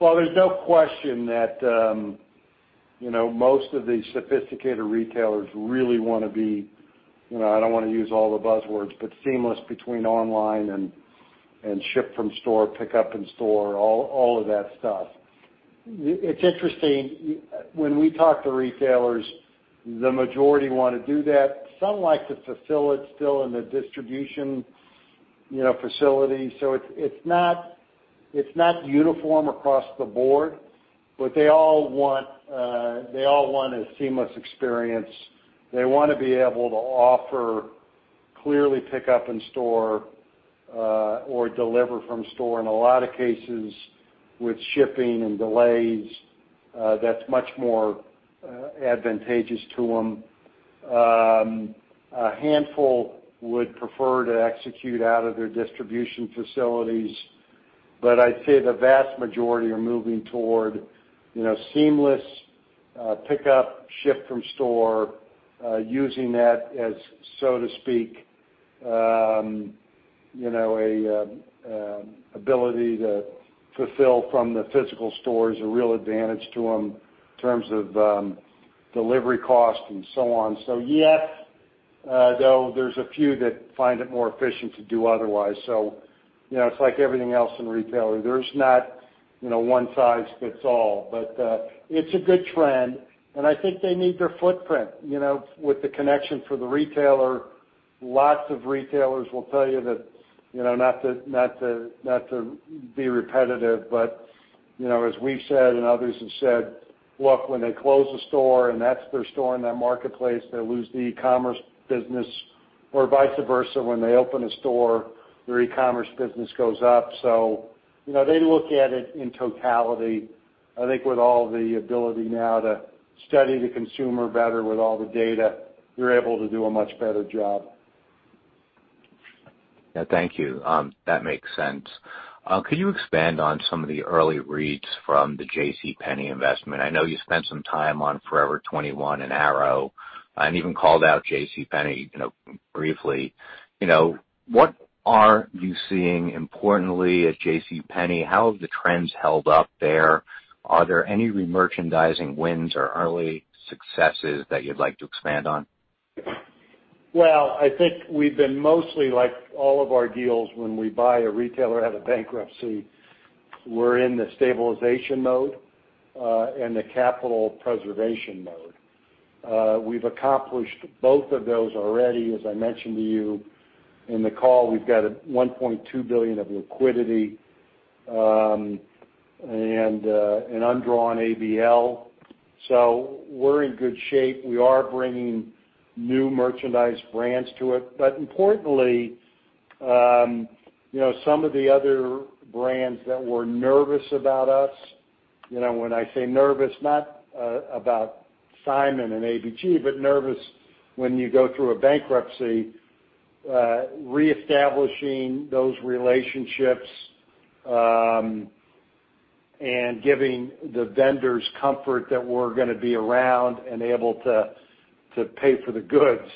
There's no question that most of the sophisticated retailers really want to be, I don't want to use all the buzzwords, but seamless between online and ship from store, pick up in store, all of that stuff. It's interesting, when we talk to retailers, the majority want to do that. Some like to fulfill it still in the distribution facility. It's not uniform across the board, but they all want a seamless experience. They want to be able to offer clearly pick up in store or deliver from store. In a lot of cases with shipping and delays, that's much more advantageous to them. A handful would prefer to execute out of their distribution facilities. I'd say the vast majority are moving toward seamless pickup, ship from store, using that as, so to speak, an ability to fulfill from the physical store is a real advantage to them in terms of delivery cost and so on. Yes, though there's a few that find it more efficient to do otherwise. It's like everything else in retailing. There's not one size fits all. It's a good trend, and I think they need their footprint. With the connection for the retailer, lots of retailers will tell you that, not to be repetitive, but as we've said and others have said, look, when they close a store and that's their store in that marketplace, they lose the e-commerce business or vice versa. When they open a store, their e-commerce business goes up. They look at it in totality. I think with all the ability now to study the consumer better with all the data, they're able to do a much better job. Yeah, thank you. That makes sense. Could you expand on some of the early reads from the JCPenney investment? I know you spent some time on Forever 21 and Aéropostale and even called out JCPenney briefly. What are you seeing importantly at JCPenney? How have the trends held up there? Are there any re-merchandising wins or early successes that you'd like to expand on? I think we've been mostly like all of our deals when we buy a retailer out of bankruptcy, we're in the stabilization mode, and the capital preservation mode. We've accomplished both of those already. As I mentioned to you in the call, we've got a $1.2 billion of liquidity, and undrawn ABL. We're in good shape. We are bringing new merchandise brands to it. Importantly, some of the other brands that were nervous about us, when I say nervous, not about Simon and ABG, but nervous when you go through a bankruptcy, reestablishing those relationships, and giving the vendors comfort that we're going to be around and able to pay for the goods,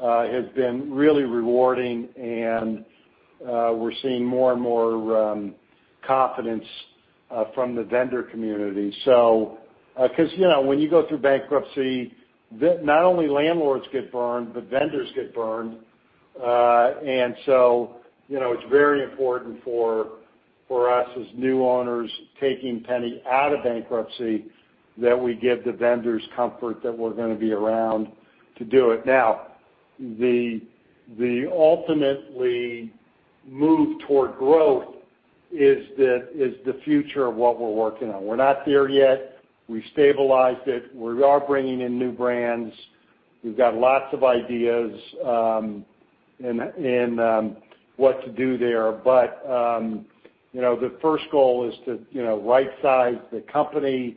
has been really rewarding and we're seeing more and more confidence from the vendor community. When you go through bankruptcy, not only landlords get burned, but vendors get burned. It's very important for us as new owners taking JCPenney out of bankruptcy, that we give the vendors comfort that we're going to be around to do it. Now, the ultimate move toward growth is the future of what we're working on. We're not there yet. We've stabilized it. We are bringing in new brands. We've got lots of ideas in what to do there. The first goal is to right size the company,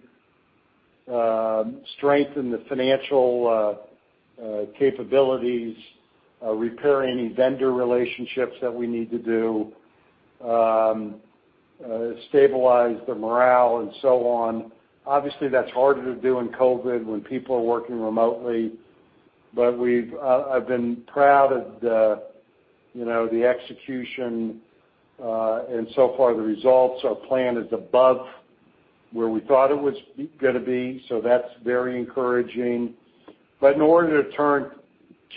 strengthen the financial capabilities, repair any vendor relationships that we need to do, stabilize the morale and so on. Obviously, that's harder to do in COVID when people are working remotely. I've been proud of the execution, and so far the results are planned as above where we thought it was going to be. That's very encouraging. In order to turn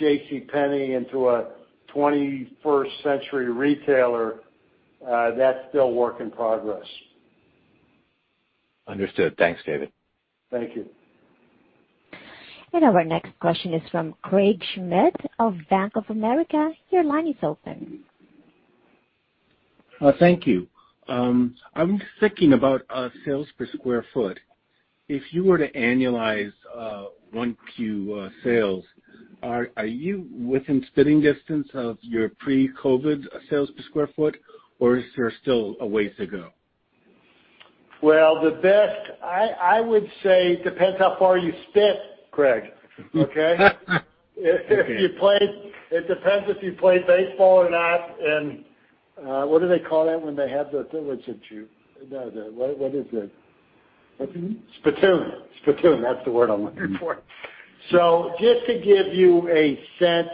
JCPenney into a 21st century retailer, that's still work in progress. Understood. Thanks, David. Thank you. Our next question is from Craig Schmidt of Bank of America. Your line is open. Thank you. I'm thinking about sales per square foot. If you were to annualize 1Q sales, are you within spitting distance of your pre-COVID sales per square foot, or is there still a ways to go? Well, the best, I would say, depends how far you spit, Craig. Okay? Okay. It depends if you played baseball or not, and, what do they call that when they have their What is it? Stacked comp? Stacked comp. Stacked comp, that's the word I'm looking for. Just to give you a sense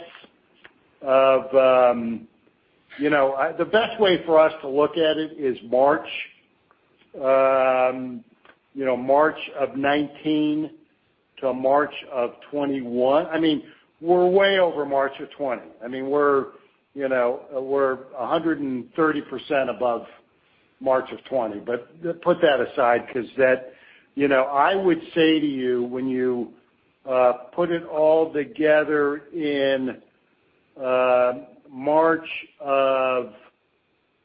of the best way for us to look at it is March of 2019 to March of 2021. We're way over March of 2020. We're 130% above March of 2020. Put that aside because that I would say to you, when you put it all together in March of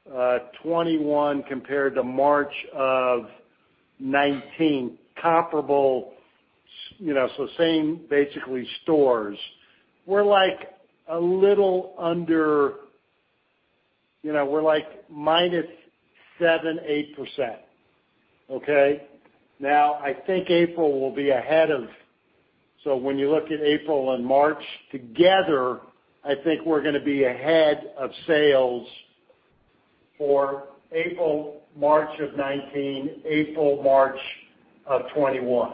2021 compared to March of 2019, comparable, so same basically stores. We're minus 7%-8%. Okay. When you look at April and March together, I think we're going to be ahead of sales for April, March of 2019, April, March of 2021.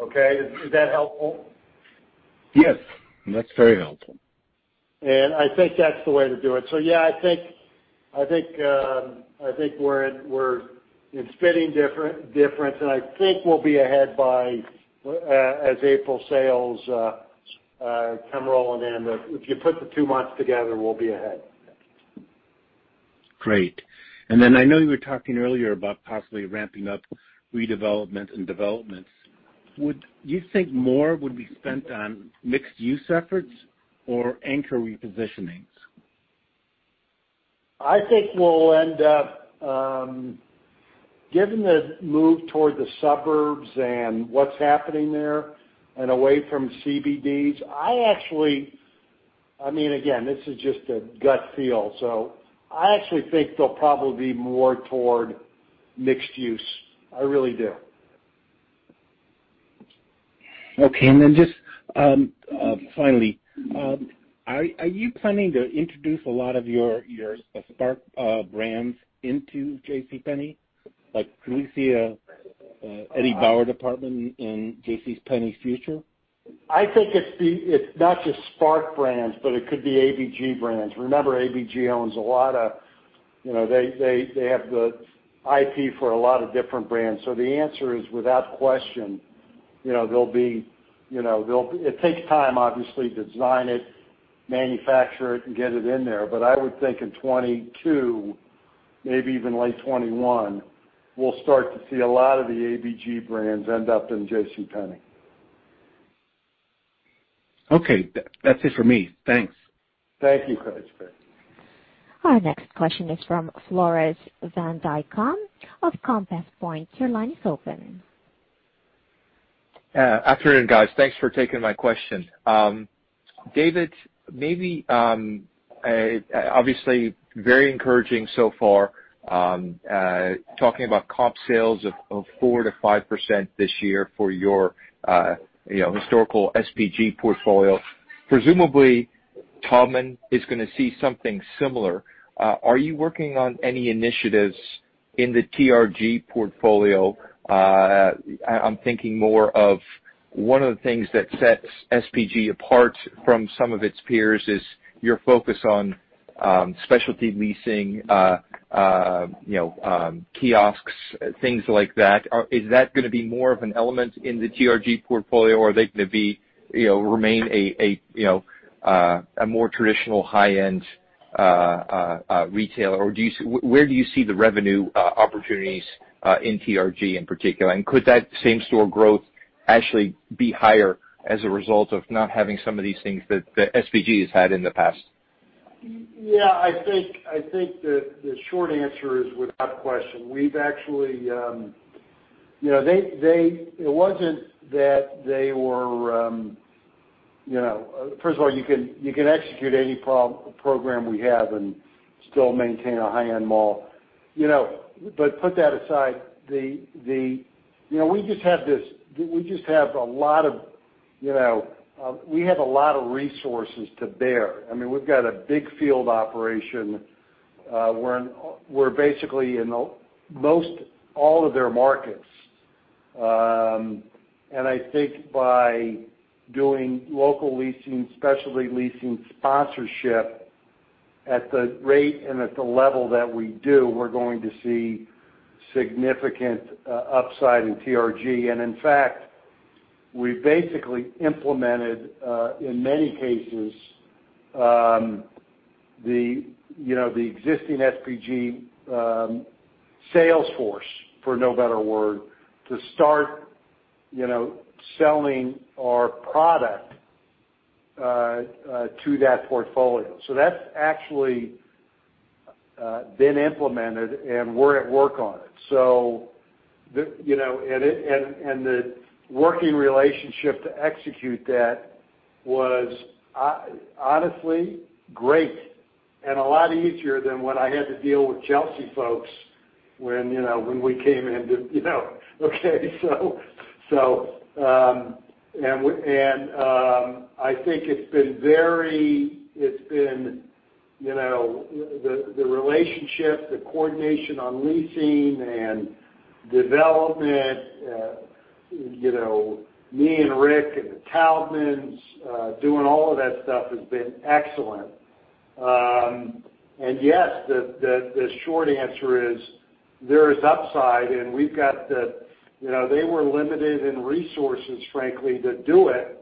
Okay. Is that helpful? Yes. That's very helpful. I think that's the way to do it. Yeah, I think we're in spitting distance, I think we'll be ahead as April sales come rolling in, if you put the two months together, we'll be ahead. Great. I know you were talking earlier about possibly ramping up redevelopment and developments. Would you think more would be spent on mixed use efforts or anchor repositionings? I think we'll end up, given the move toward the suburbs and what's happening there and away from CBDs, I actually again, this is just a gut feel, so I actually think they'll probably be more toward mixed use. I really do. Okay, just finally, are you planning to introduce a lot of your SPARC brands into JCPenney? Like, can we see Eddie Bauer department in JCPenney's future? I think it's not just SPARC brands, but it could be ABG brands. Remember, ABG owns. They have the IP for a lot of different brands. The answer is, without question, it takes time, obviously, to design it, manufacture it, and get it in there. I would think in 2022, maybe even late 2021, we'll start to see a lot of the ABG brands end up in JCPenney. Okay. That's it for me. Thanks. Thank you. Our next question is from Floris van Dijkum of Compass Point Research & Trading. Your line is open. Afternoon, guys. Thanks for taking my question. David Simon, obviously, very encouraging so far, talking about comparable sales of 4%-5% this year for your historical SPG portfolio. Presumably, Taubman is going to see something similar. Are you working on any initiatives in the TRG portfolio? I'm thinking more of one of the things that sets SPG apart from some of its peers is your focus on specialty leasing, kiosks, things like that. Is that going to be more of an element in the TRG portfolio, or are they going to remain a more traditional high-end retailer? Or where do you see the revenue opportunities in TRG in particular? Could that same store growth actually be higher as a result of not having some of these things that SPG has had in the past? Yeah, I think that the short answer is without question. First of all, you can execute any program we have and still maintain a high-end mall. Put that aside, we have a lot of resources to bear. We've got a big field operation. We're basically in most all of their markets. I think by doing local leasing, specialty leasing, sponsorship at the rate and at the level that we do, we're going to see significant upside in TRG. In fact, we basically implemented, in many cases, the existing SPG sales force, for no better word, to start selling our product to that portfolio. That's actually been implemented, and we're at work on it. The working relationship to execute that was honestly great and a lot easier than when I had to deal with Chelsea folks. The relationship, the coordination on leasing and development, me and Rick and the Taubmans, doing all of that stuff has been excellent. Yes, the short answer is there is upside, and they were limited in resources, frankly, to do it,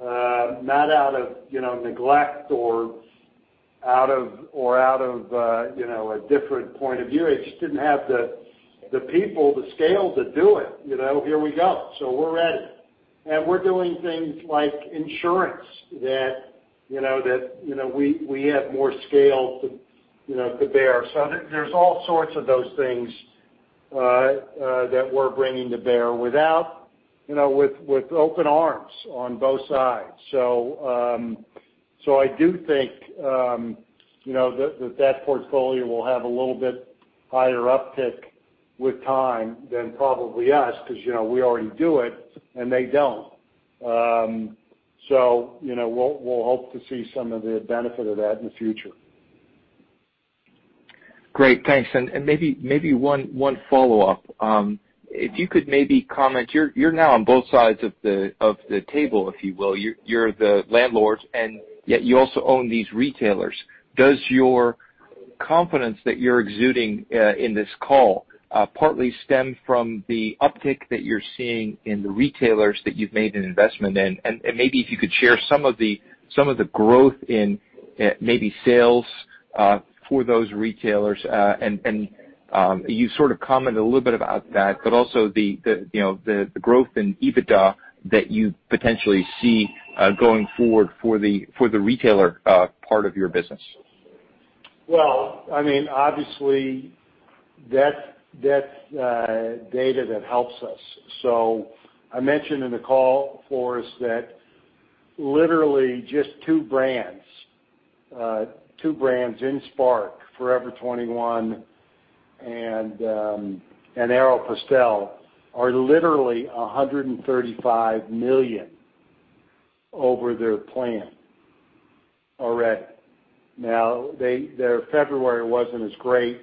not out of neglect or out of a different point of view. They just didn't have the people, the scale to do it. Here we go. We're ready. We're doing things like insurance that we have more scale to bear. There's all sorts of those things that we're bringing to bear with open arms on both sides. I do think that portfolio will have a little bit higher uptick with time than probably us, because we already do it and they don't. We'll hope to see some of the benefit of that in the future. Great. Thanks. Maybe one follow-up. If you could maybe comment, you're now on both sides of the table, if you will. You're the landlord, and yet you also own these retailers. Does your confidence that you're exuding in this call partly stem from the uptick that you're seeing in the retailers that you've made an investment in? Maybe if you could share some of the growth in maybe sales for those retailers. You sort of commented a little bit about that, but also the growth in EBITDA that you potentially see going forward for the retailer part of your business. Obviously that's data that helps us. I mentioned in the call, Floris, that literally just two brands in SPARC, Forever 21 and Aéropostale, are literally $135 million over their plan already. Now, their February wasn't as great.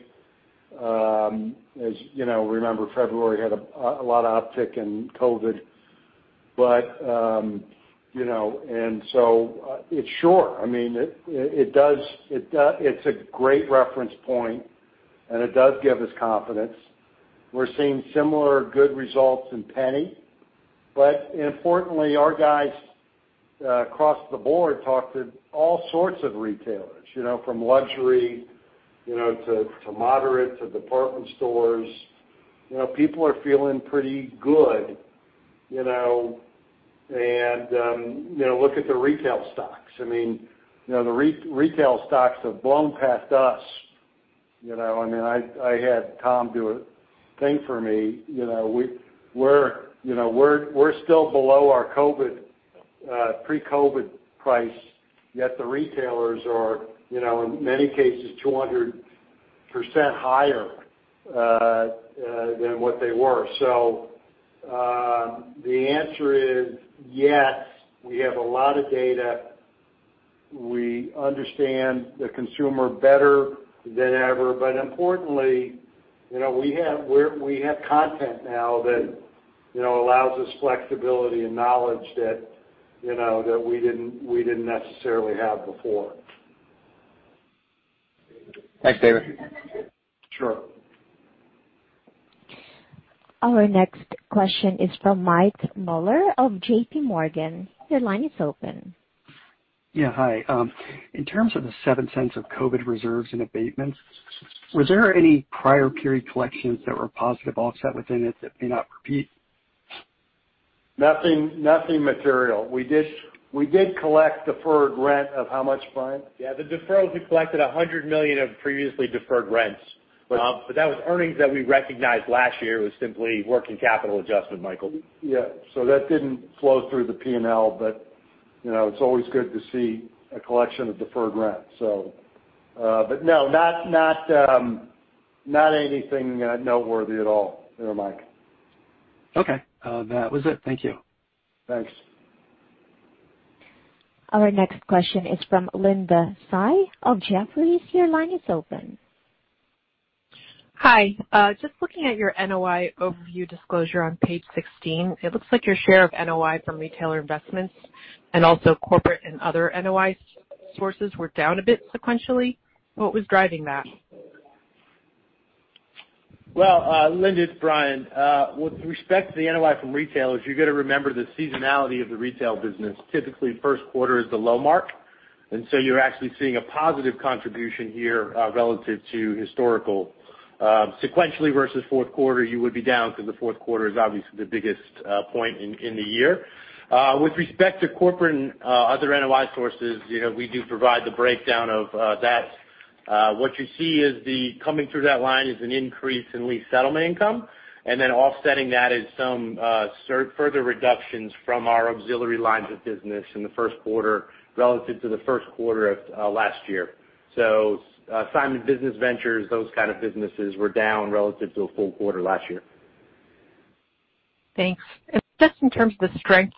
As you know, remember February had a lot of uptick in COVID. It's short. It's a great reference point and it does give us confidence. We're seeing similar good results in JCPenney. Importantly, our guys across the board talk to all sorts of retailers, from luxury to moderate to department stores. People are feeling pretty good. Look at the retail stocks. The retail stocks have blown past us. I had Tom Ward do a thing for me. We're still below our pre-COVID price, yet the retailers are, in many cases, 200% higher than what they were. The answer is yes, we have a lot of data. We understand the consumer better than ever. Importantly, we have content now that allows us flexibility and knowledge that we didn't necessarily have before. Thanks, David. Sure. Our next question is from Michael Mueller of JPMorgan. Your line is open. Yeah. Hi. In terms of the $0.07 of COVID reserves and abatements, was there any prior period collections that were positive offset within it that may not repeat? Nothing material. We did collect deferred rent of how much, Brian? The deferrals, we collected $100 million of previously deferred rents. But that was earnings that we recognized last year. It was simply working capital adjustment, Michael. That didn't flow through the P&L, but it's always good to see a collection of deferred rent. No, not anything noteworthy at all there, Michael. Okay. That was it. Thank you. Thanks. Our next question is from Linda Tsai of Jefferies. Your line is open. Hi. Just looking at your NOI overview disclosure on page 16. It looks like your share of NOI from retailer investments and also corporate and other NOI sources were down a bit sequentially. What was driving that? Well, Linda Tsai, it's Brian McDade. With respect to the NOI from retailers, you got to remember the seasonality of the retail business. Typically, first quarter is the low mark. You're actually seeing a positive contribution here relative to historical. Sequentially versus fourth quarter, you would be down because the fourth quarter is obviously the biggest point in the year. With respect to corporate and other NOI sources, we do provide the breakdown of that. What you see coming through that line is an increase in lease settlement income. Offsetting that is some further reductions from our auxiliary lines of business in the first quarter relative to the first quarter of last year. Simon Business Ventures, those kind of businesses were down relative to a full quarter last year. Thanks. Just in terms of the strength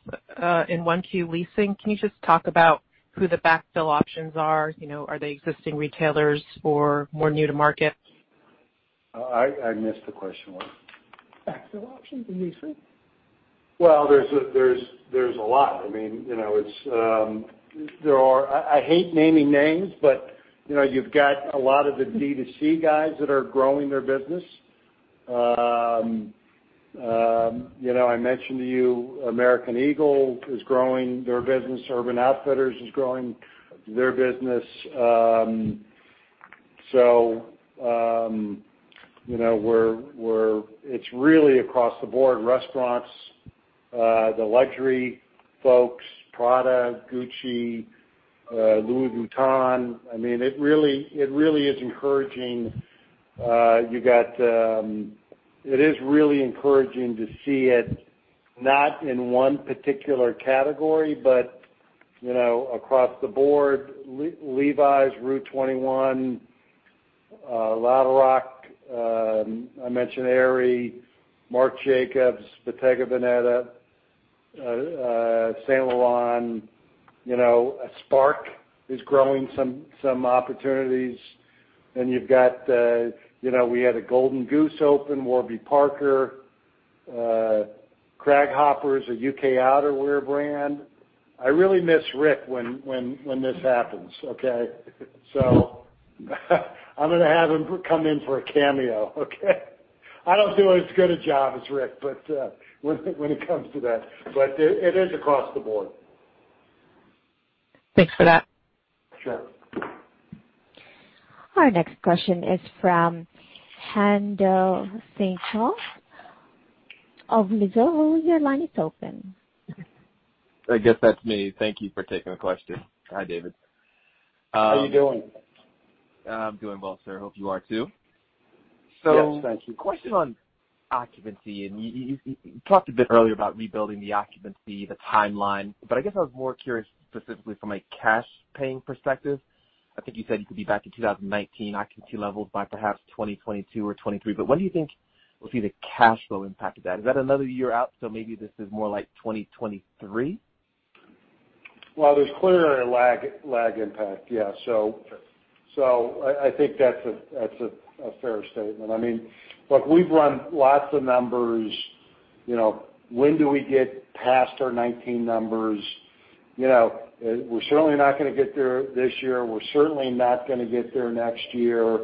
in 1Q leasing, can you just talk about who the backfill options are? Are they existing retailers or more new to market? I missed the question. What? Backfill options in leasing. Well, there's a lot. I hate naming names, but you've got a lot of the D2C guys that are growing their business. I mentioned to you, American Eagle is growing their business. Urban Outfitters is growing their business. It's really across the board. Restaurants, the luxury folks, Prada, Gucci, Louis Vuitton. It really is encouraging. It is really encouraging to see it not in one particular category, but across the board. Levi's, rue21, Lucky Brand, I mentioned Aerie, Marc Jacobs, Bottega Veneta, Saint Laurent. SPARC is growing some opportunities. We had a Golden Goose open, Warby Parker. Craghoppers, a U.K. outerwear brand. I really miss Rich when this happens. Okay? I'm going to have him come in for a cameo. Okay? I don't do as good a job as Rich, but when it comes to that. It is across the board. Thanks for that. Sure. Our next question is from Haendel Emmanuel St. Juste from Mizuho Securities. Your line is open. I guess that's me. Thank you for taking the question. Hi, David. How are you doing? I'm doing well, sir. Hope you are too. Yes, thank you. Question on occupancy. You talked a bit earlier about rebuilding the occupancy, the timeline, I guess I was more curious specifically from a cash paying perspective. I think you said you could be back in 2019 occupancy levels by perhaps 2022 or 2023, what do you think we'll see the cash flow impact of that? Is that another year out, so maybe this is more like 2023? Well, there's clearly a lag impact, yeah. I think that's a fair statement. Look, we've run lots of numbers. When do we get past our 2019 numbers? We're certainly not going to get there this year. We're certainly not going to get there next year.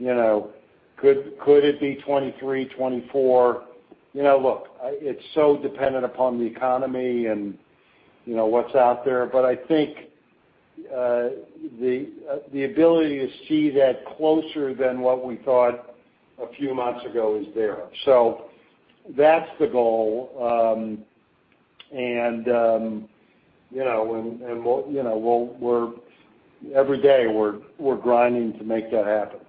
Could it be 2023, 2024? Look, it's so dependent upon the economy and what's out there. I think the ability to see that closer than what we thought a few months ago is there. That's the goal. Every day, we're grinding to make that happen.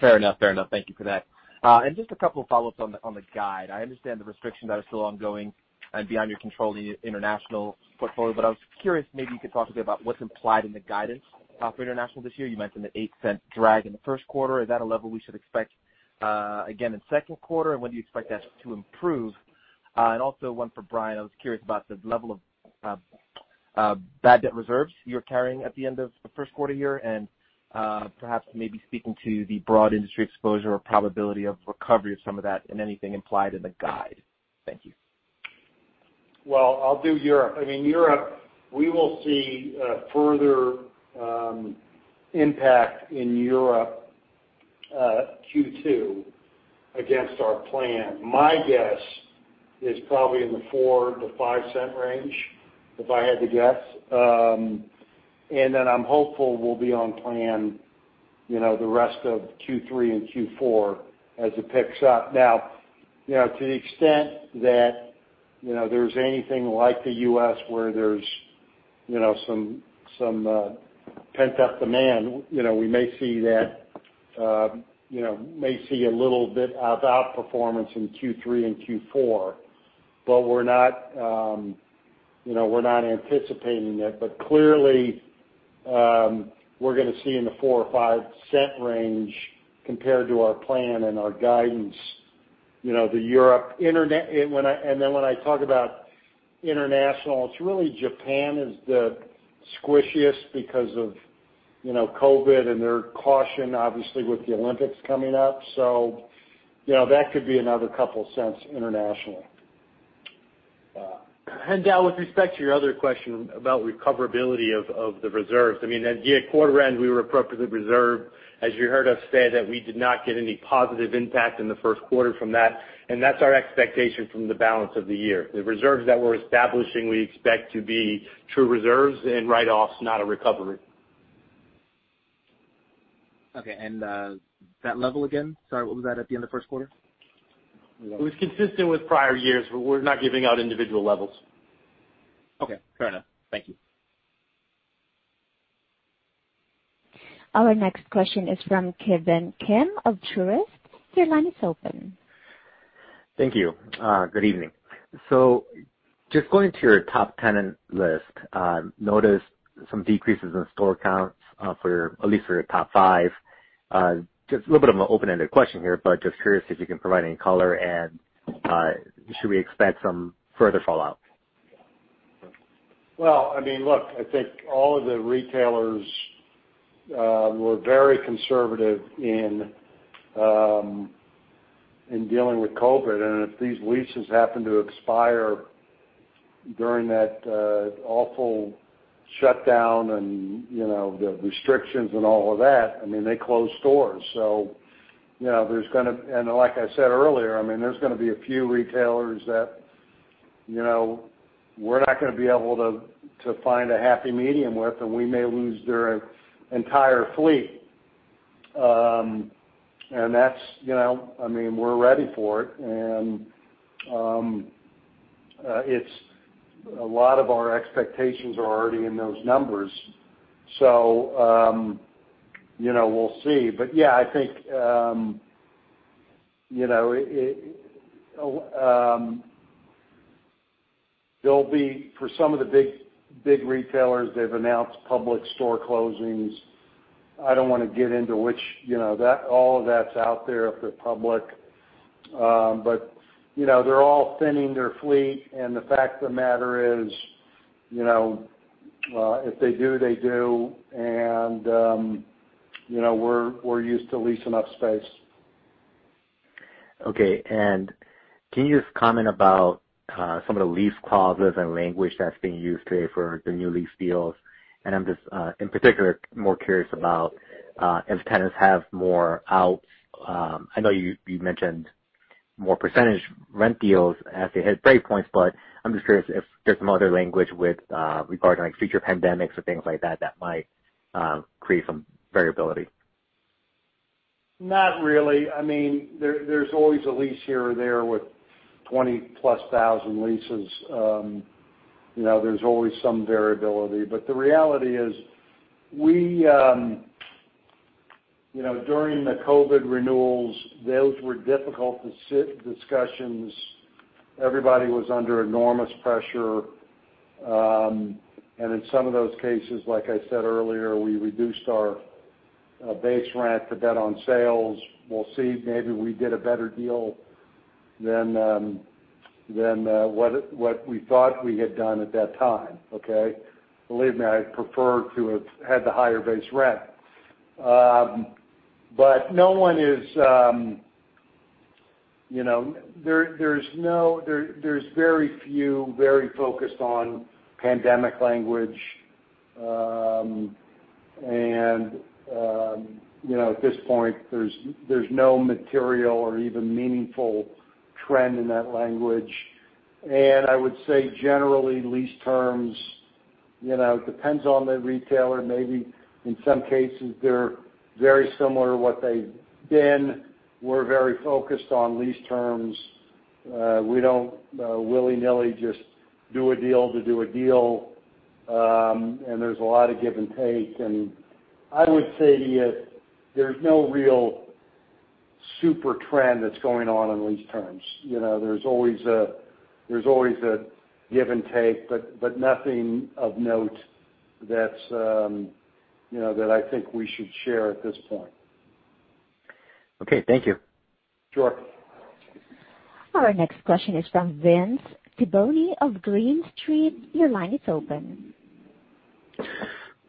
Fair enough. Thank you for that. Just a couple of follow-ups on the guide. I understand the restrictions are still ongoing and beyond your control in the international portfolio, but I was curious, maybe you could talk a bit about what's implied in the guidance for international this year. You mentioned the $0.08 drag in the first quarter. Is that a level we should expect again in second quarter, and when do you expect that to improve? Also one for Brian, I was curious about the level of bad debt reserves you're carrying at the end of the first quarter here, and perhaps maybe speaking to the broad industry exposure or probability of recovery of some of that and anything implied in the guide. Thank you. Well, I'll do Europe. Europe, we will see a further impact in Europe Q2 against our plan. My guess is probably in the $0.04-$0.05 range, if I had to guess. I'm hopeful we'll be on plan the rest of Q3 and Q4 as it picks up. Now, to the extent that there's anything like the U.S. where there's some pent-up demand, we may see a little bit of outperformance in Q3 and Q4. We're not anticipating it. Clearly, we're going to see in the $0.04-$0.05 range compared to our plan and our guidance. When I talk about international, it's really Japan is the squishiest because of COVID and their caution, obviously, with the Olympics coming up. That could be another $0.02 internationally. Haendel, with respect to your other question about recoverability of the reserves. At year quarter-end, we were appropriately reserved. As you heard us say, that we did not get any positive impact in the first quarter from that, and that's our expectation from the balance of the year. The reserves that we're establishing, we expect to be true reserves and write-offs, not a recovery. Okay. That level again? Sorry, what was that at the end of the first quarter? It was consistent with prior years, but we're not giving out individual levels. Okay. Fair enough. Thank you. Our next question is from Ki Bin Kim of Truist. Your line is open. Thank you. Good evening. Just going to your top five tenant list, noticed some decreases in store counts at least for your top five. Just a little bit of an open-ended question here, but just curious if you can provide any color, and should we expect some further fallout? Well, look, I think all of the retailers were very conservative in dealing with COVID. If these leases happen to expire during that awful shutdown and the restrictions and all of that, they closed stores. Like I said earlier, there's going to be a few retailers that we're not going to be able to find a happy medium with, and we may lose their entire fleet. We're ready for it, and a lot of our expectations are already in those numbers. We'll see. Yeah, I think, for some of the big retailers, they've announced public store closings. I don't want to get into which. All of that's out there if they're public. They're all thinning their fleet, and the fact of the matter is, if they do, they do. We're used to leasing up space. Okay. Can you just comment about some of the lease clauses and language that's being used today for the new lease deals? I'm just, in particular, more curious about if tenants have more outs. I know you mentioned more percentage rent deals as they hit breakpoints, but I'm just curious if there's some other language with regard to future pandemics or things like that might create some variability. Not really. There's always a lease here or there with 20,000+ leases. There's always some variability. The reality is, during the COVID renewals, those were difficult discussions. Everybody was under enormous pressure. In some of those cases, like I said earlier, we reduced our base rent to bet on sales. We'll see. Maybe we did a better deal than what we thought we had done at that time, okay? Believe me, I'd prefer to have had the higher base rent. There's very few very focused on pandemic language. At this point, there's no material or even meaningful trend in that language. I would say, generally, lease terms, it depends on the retailer. Maybe in some cases, they're very similar to what they've been. We're very focused on lease terms. We don't willy-nilly just do a deal to do a deal. There's a lot of give and take. I would say there's no real super trend that's going on in lease terms. There's always a give and take, but nothing of note that I think we should share at this point. Okay. Thank you. Sure. Our next question is from Vince Tibone of Green Street. Your line is open.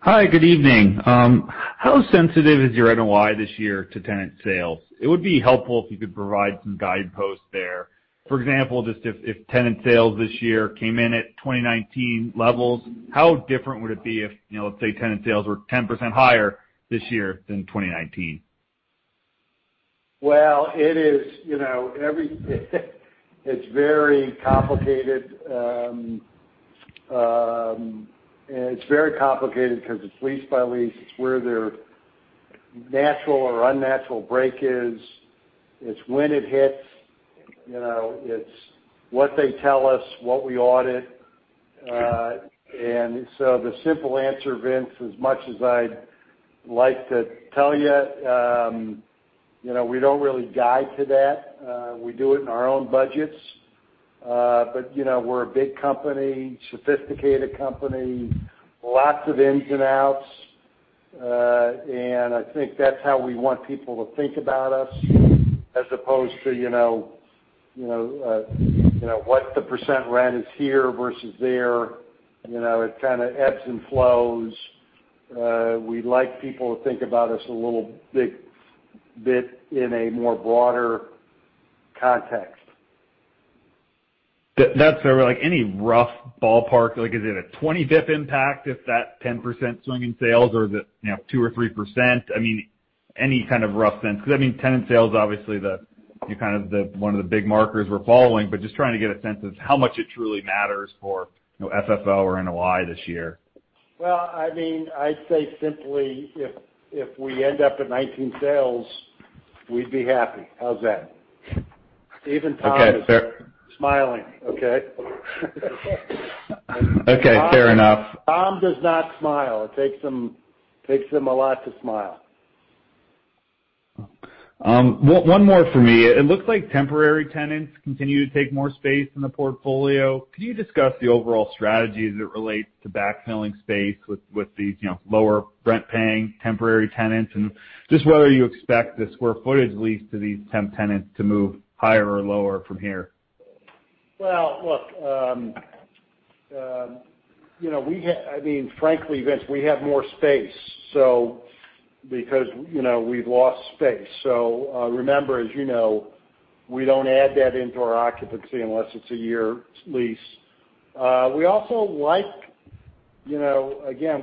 Hi, good evening. How sensitive is your NOI this year to tenant sales? It would be helpful if you could provide some guideposts there. For example, just if tenant sales this year came in at 2019 levels, how different would it be if, let's say, tenant sales were 10% higher this year than 2019? Well, it's very complicated. It's very complicated because it's lease by lease. It's where their natural or unnatural break is. It's when it hits. It's what they tell us, what we audit. Sure. The simple answer, Vince, as much as I'd like to tell you, we don't really guide to that. We do it in our own budgets. We're a big company, sophisticated company, lots of ins and outs. I think that's how we want people to think about us as opposed to what the percent rent is here versus there. It kind of ebbs and flows. We'd like people to think about us a little bit in a more broader context. That's fair. Any rough ballpark? Is it a 20 basis points impact if that 10% swing in sales or is it 2% or 3%? Any kind of rough sense, because tenant sales, obviously, one of the big markers we're following, but just trying to get a sense of how much it truly matters for FFO or NOI this year. Well, I'd say simply, if we end up at 2019 sales, we'd be happy. How's that? Okay, fair. is smiling, okay? Okay, fair enough. Tom does not smile. It takes him a lot to smile. One more for me. It looks like temporary tenants continue to take more space in the portfolio. Could you discuss the overall strategy as it relates to backfilling space with these lower rent-paying temporary tenants? Just whether you expect the square footage leased to these temporary tenants to move higher or lower from here. Well, frankly, Vince, we have more space because we've lost space. Remember, as you know, we don't add that into our occupancy unless it's a year lease. Again,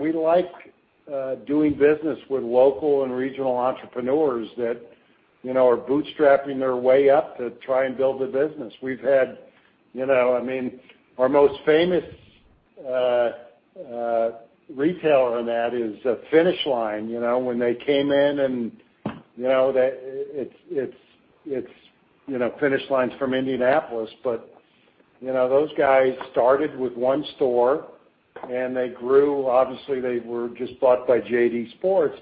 we like doing business with local and regional entrepreneurs that are bootstrapping their way up to try and build a business. Our most famous retailer in that is Finish Line, when they came in and Finish Line's from Indianapolis. Those guys started with one store and they grew. Obviously, they were just bought by JD Sports,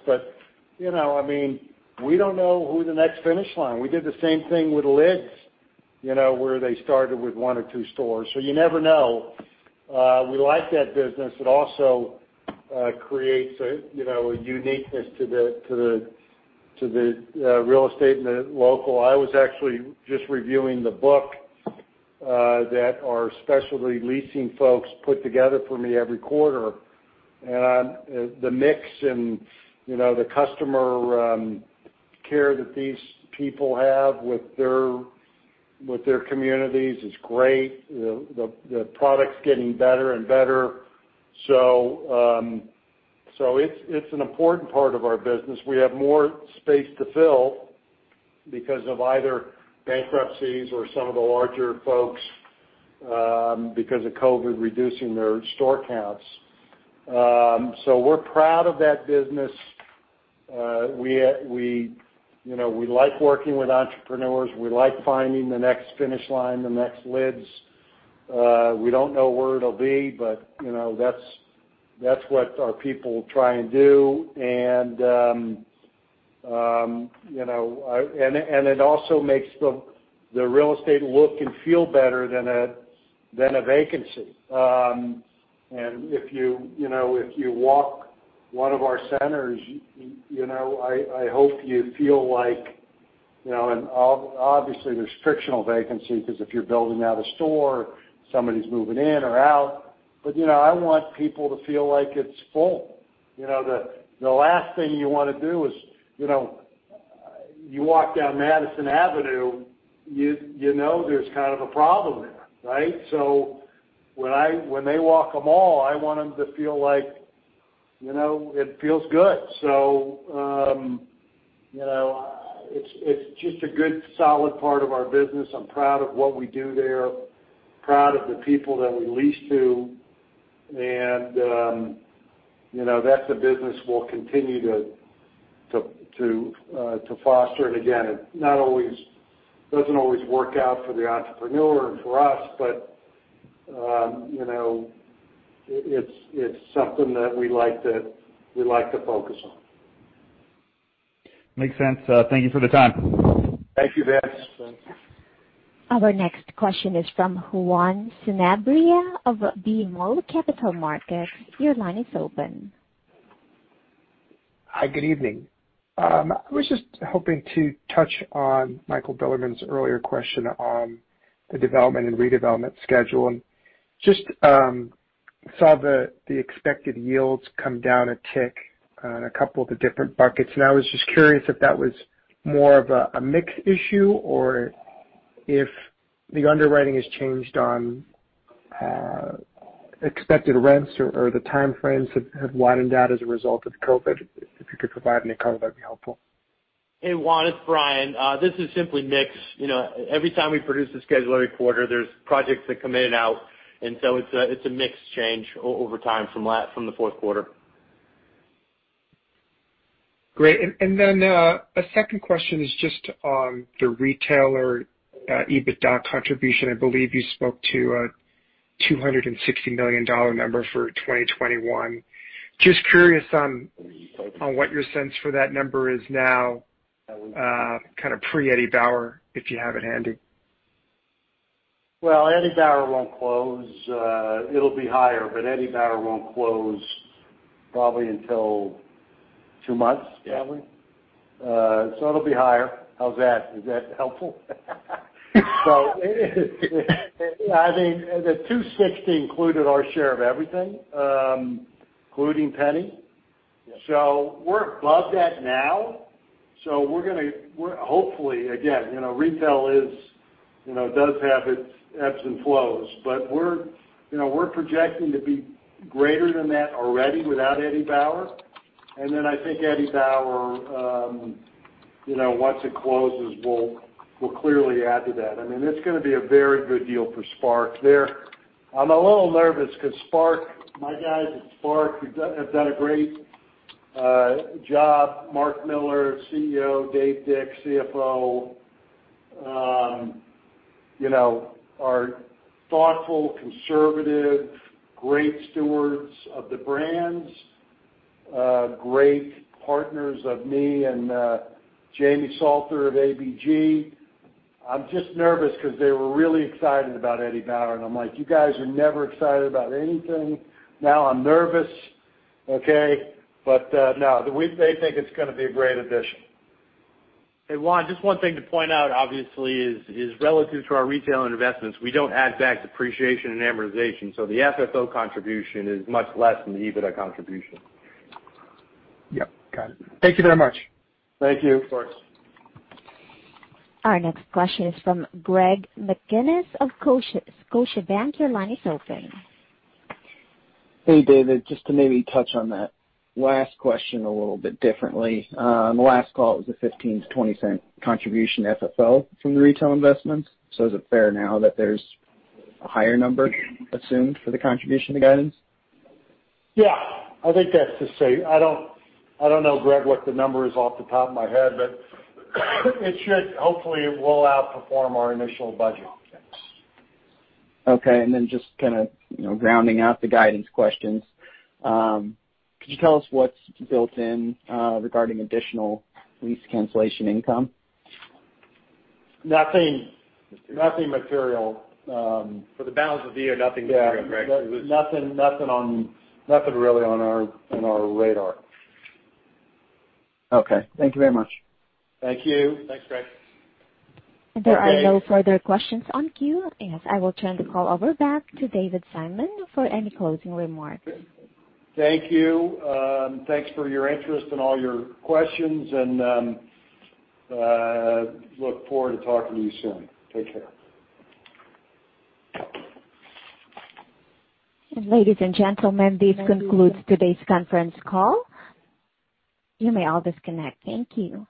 we don't know who the next Finish Line is. We did the same thing with Lids, where they started with one or two stores. You never know. We like that business. It also creates a uniqueness to the real estate and the local. I was actually just reviewing the book that our specialty leasing folks put together for me every quarter. The mix and the customer care that these people have with their communities is great. The product's getting better and better. It's an important part of our business. We have more space to fill because of either bankruptcies or some of the larger folks because of COVID reducing their store counts. We're proud of that business. We like working with entrepreneurs. We like finding the next Finish Line, the next Lids. We don't know where it'll be, but that's what our people try and do. It also makes the real estate look and feel better than a vacancy. If you walk one of our centers, I hope you feel like. Obviously, there's frictional vacancy because if you're building out a store, somebody's moving in or out. I want people to feel like it's full. The last thing you want to do is, you walk down Madison Avenue, you know there's kind of a problem there, right? When they walk a mall, I want them to feel like it feels good. It's just a good, solid part of our business. I'm proud of what we do there, proud of the people that we lease to. That's a business we'll continue to foster. Again, it doesn't always work out for the entrepreneur and for us, but it's something that we like to focus on. Makes sense. Thank you for the time. Thank you, Vince. Our next question is from Juan Sanabria of BMO Capital Markets. Your line is open. Hi, good evening. I was just hoping to touch on Michael Bilerman's earlier question on the development and redevelopment schedule, and just saw the expected yields come down a tick on a couple of the different buckets, and I was just curious if that was more of a mix issue or if the underwriting has changed on expected rents or the timeframes have widened out as a result of COVID? If you could provide any color, that'd be helpful. Hey, Juan, it's Brian. This is simply mix. Every time we produce a schedule every quarter, there's projects that come in and out, and so it's a mix change over time from the fourth quarter. Great. Then, a second question is just on the retailer EBITDA contribution. I believe you spoke to a $260 million number for 2021. Just curious on what your sense for that number is now, kind of pre Eddie Bauer, if you have it handy. Well, Eddie Bauer won't close. It'll be higher, but Eddie Bauer won't close probably until two months. Yeah. It'll be higher. How's that? Is that helpful? I think the $260 included our share of everything, including JCPenney. Yes. We're above that now. Hopefully, again, retail does have its ebbs and flows, but we're projecting to be greater than that already without Eddie Bauer. Then I think Eddie Bauer, once it closes, will clearly add to that. It's going to be a very good deal for SPARC there. I'm a little nervous because my guys at SPARC have done a great job. Marc Miller, CEO, Dave Dick, CFO, are thoughtful, conservative, great stewards of the brands, great partners of me and Jamie Salter of ABG. I'm just nervous because they were really excited about Eddie Bauer, and I'm like, "You guys are never excited about anything. Now I'm nervous," okay? No. They think it's going to be a great addition. Hey, Juan, just one thing to point out, obviously, is relative to our retail investments, we don't add back depreciation and amortization, so the FFO contribution is much less than the EBITDA contribution. Yep. Got it. Thank you very much. Thank you. Of course. Our next question is from Greg McGinniss of Scotiabank. Your line is open. Hey, David. Just to maybe touch on that last question a little bit differently. On the last call, it was a $0.15-$0.20 contribution FFO from the retail investments. Is it fair now that there's a higher number assumed for the contribution to guidance? Yeah, I think that's to say. I don't know, Greg, what the number is off the top of my head, but hopefully it will outperform our initial budget. Okay. Just kind of grounding out the guidance questions. Could you tell us what's built in regarding additional lease cancellation income? Nothing material. For the balance of the year, nothing material, Greg. Yeah. Nothing really on our radar. Okay. Thank you very much. Thank you. Thanks, Greg. There are no further questions on queue. I will turn the call over back to David Simon for any closing remarks. Thank you. Thanks for your interest and all your questions. Look forward to talking to you soon. Take care. Ladies and gentlemen, this concludes today's conference call. You may all disconnect. Thank you.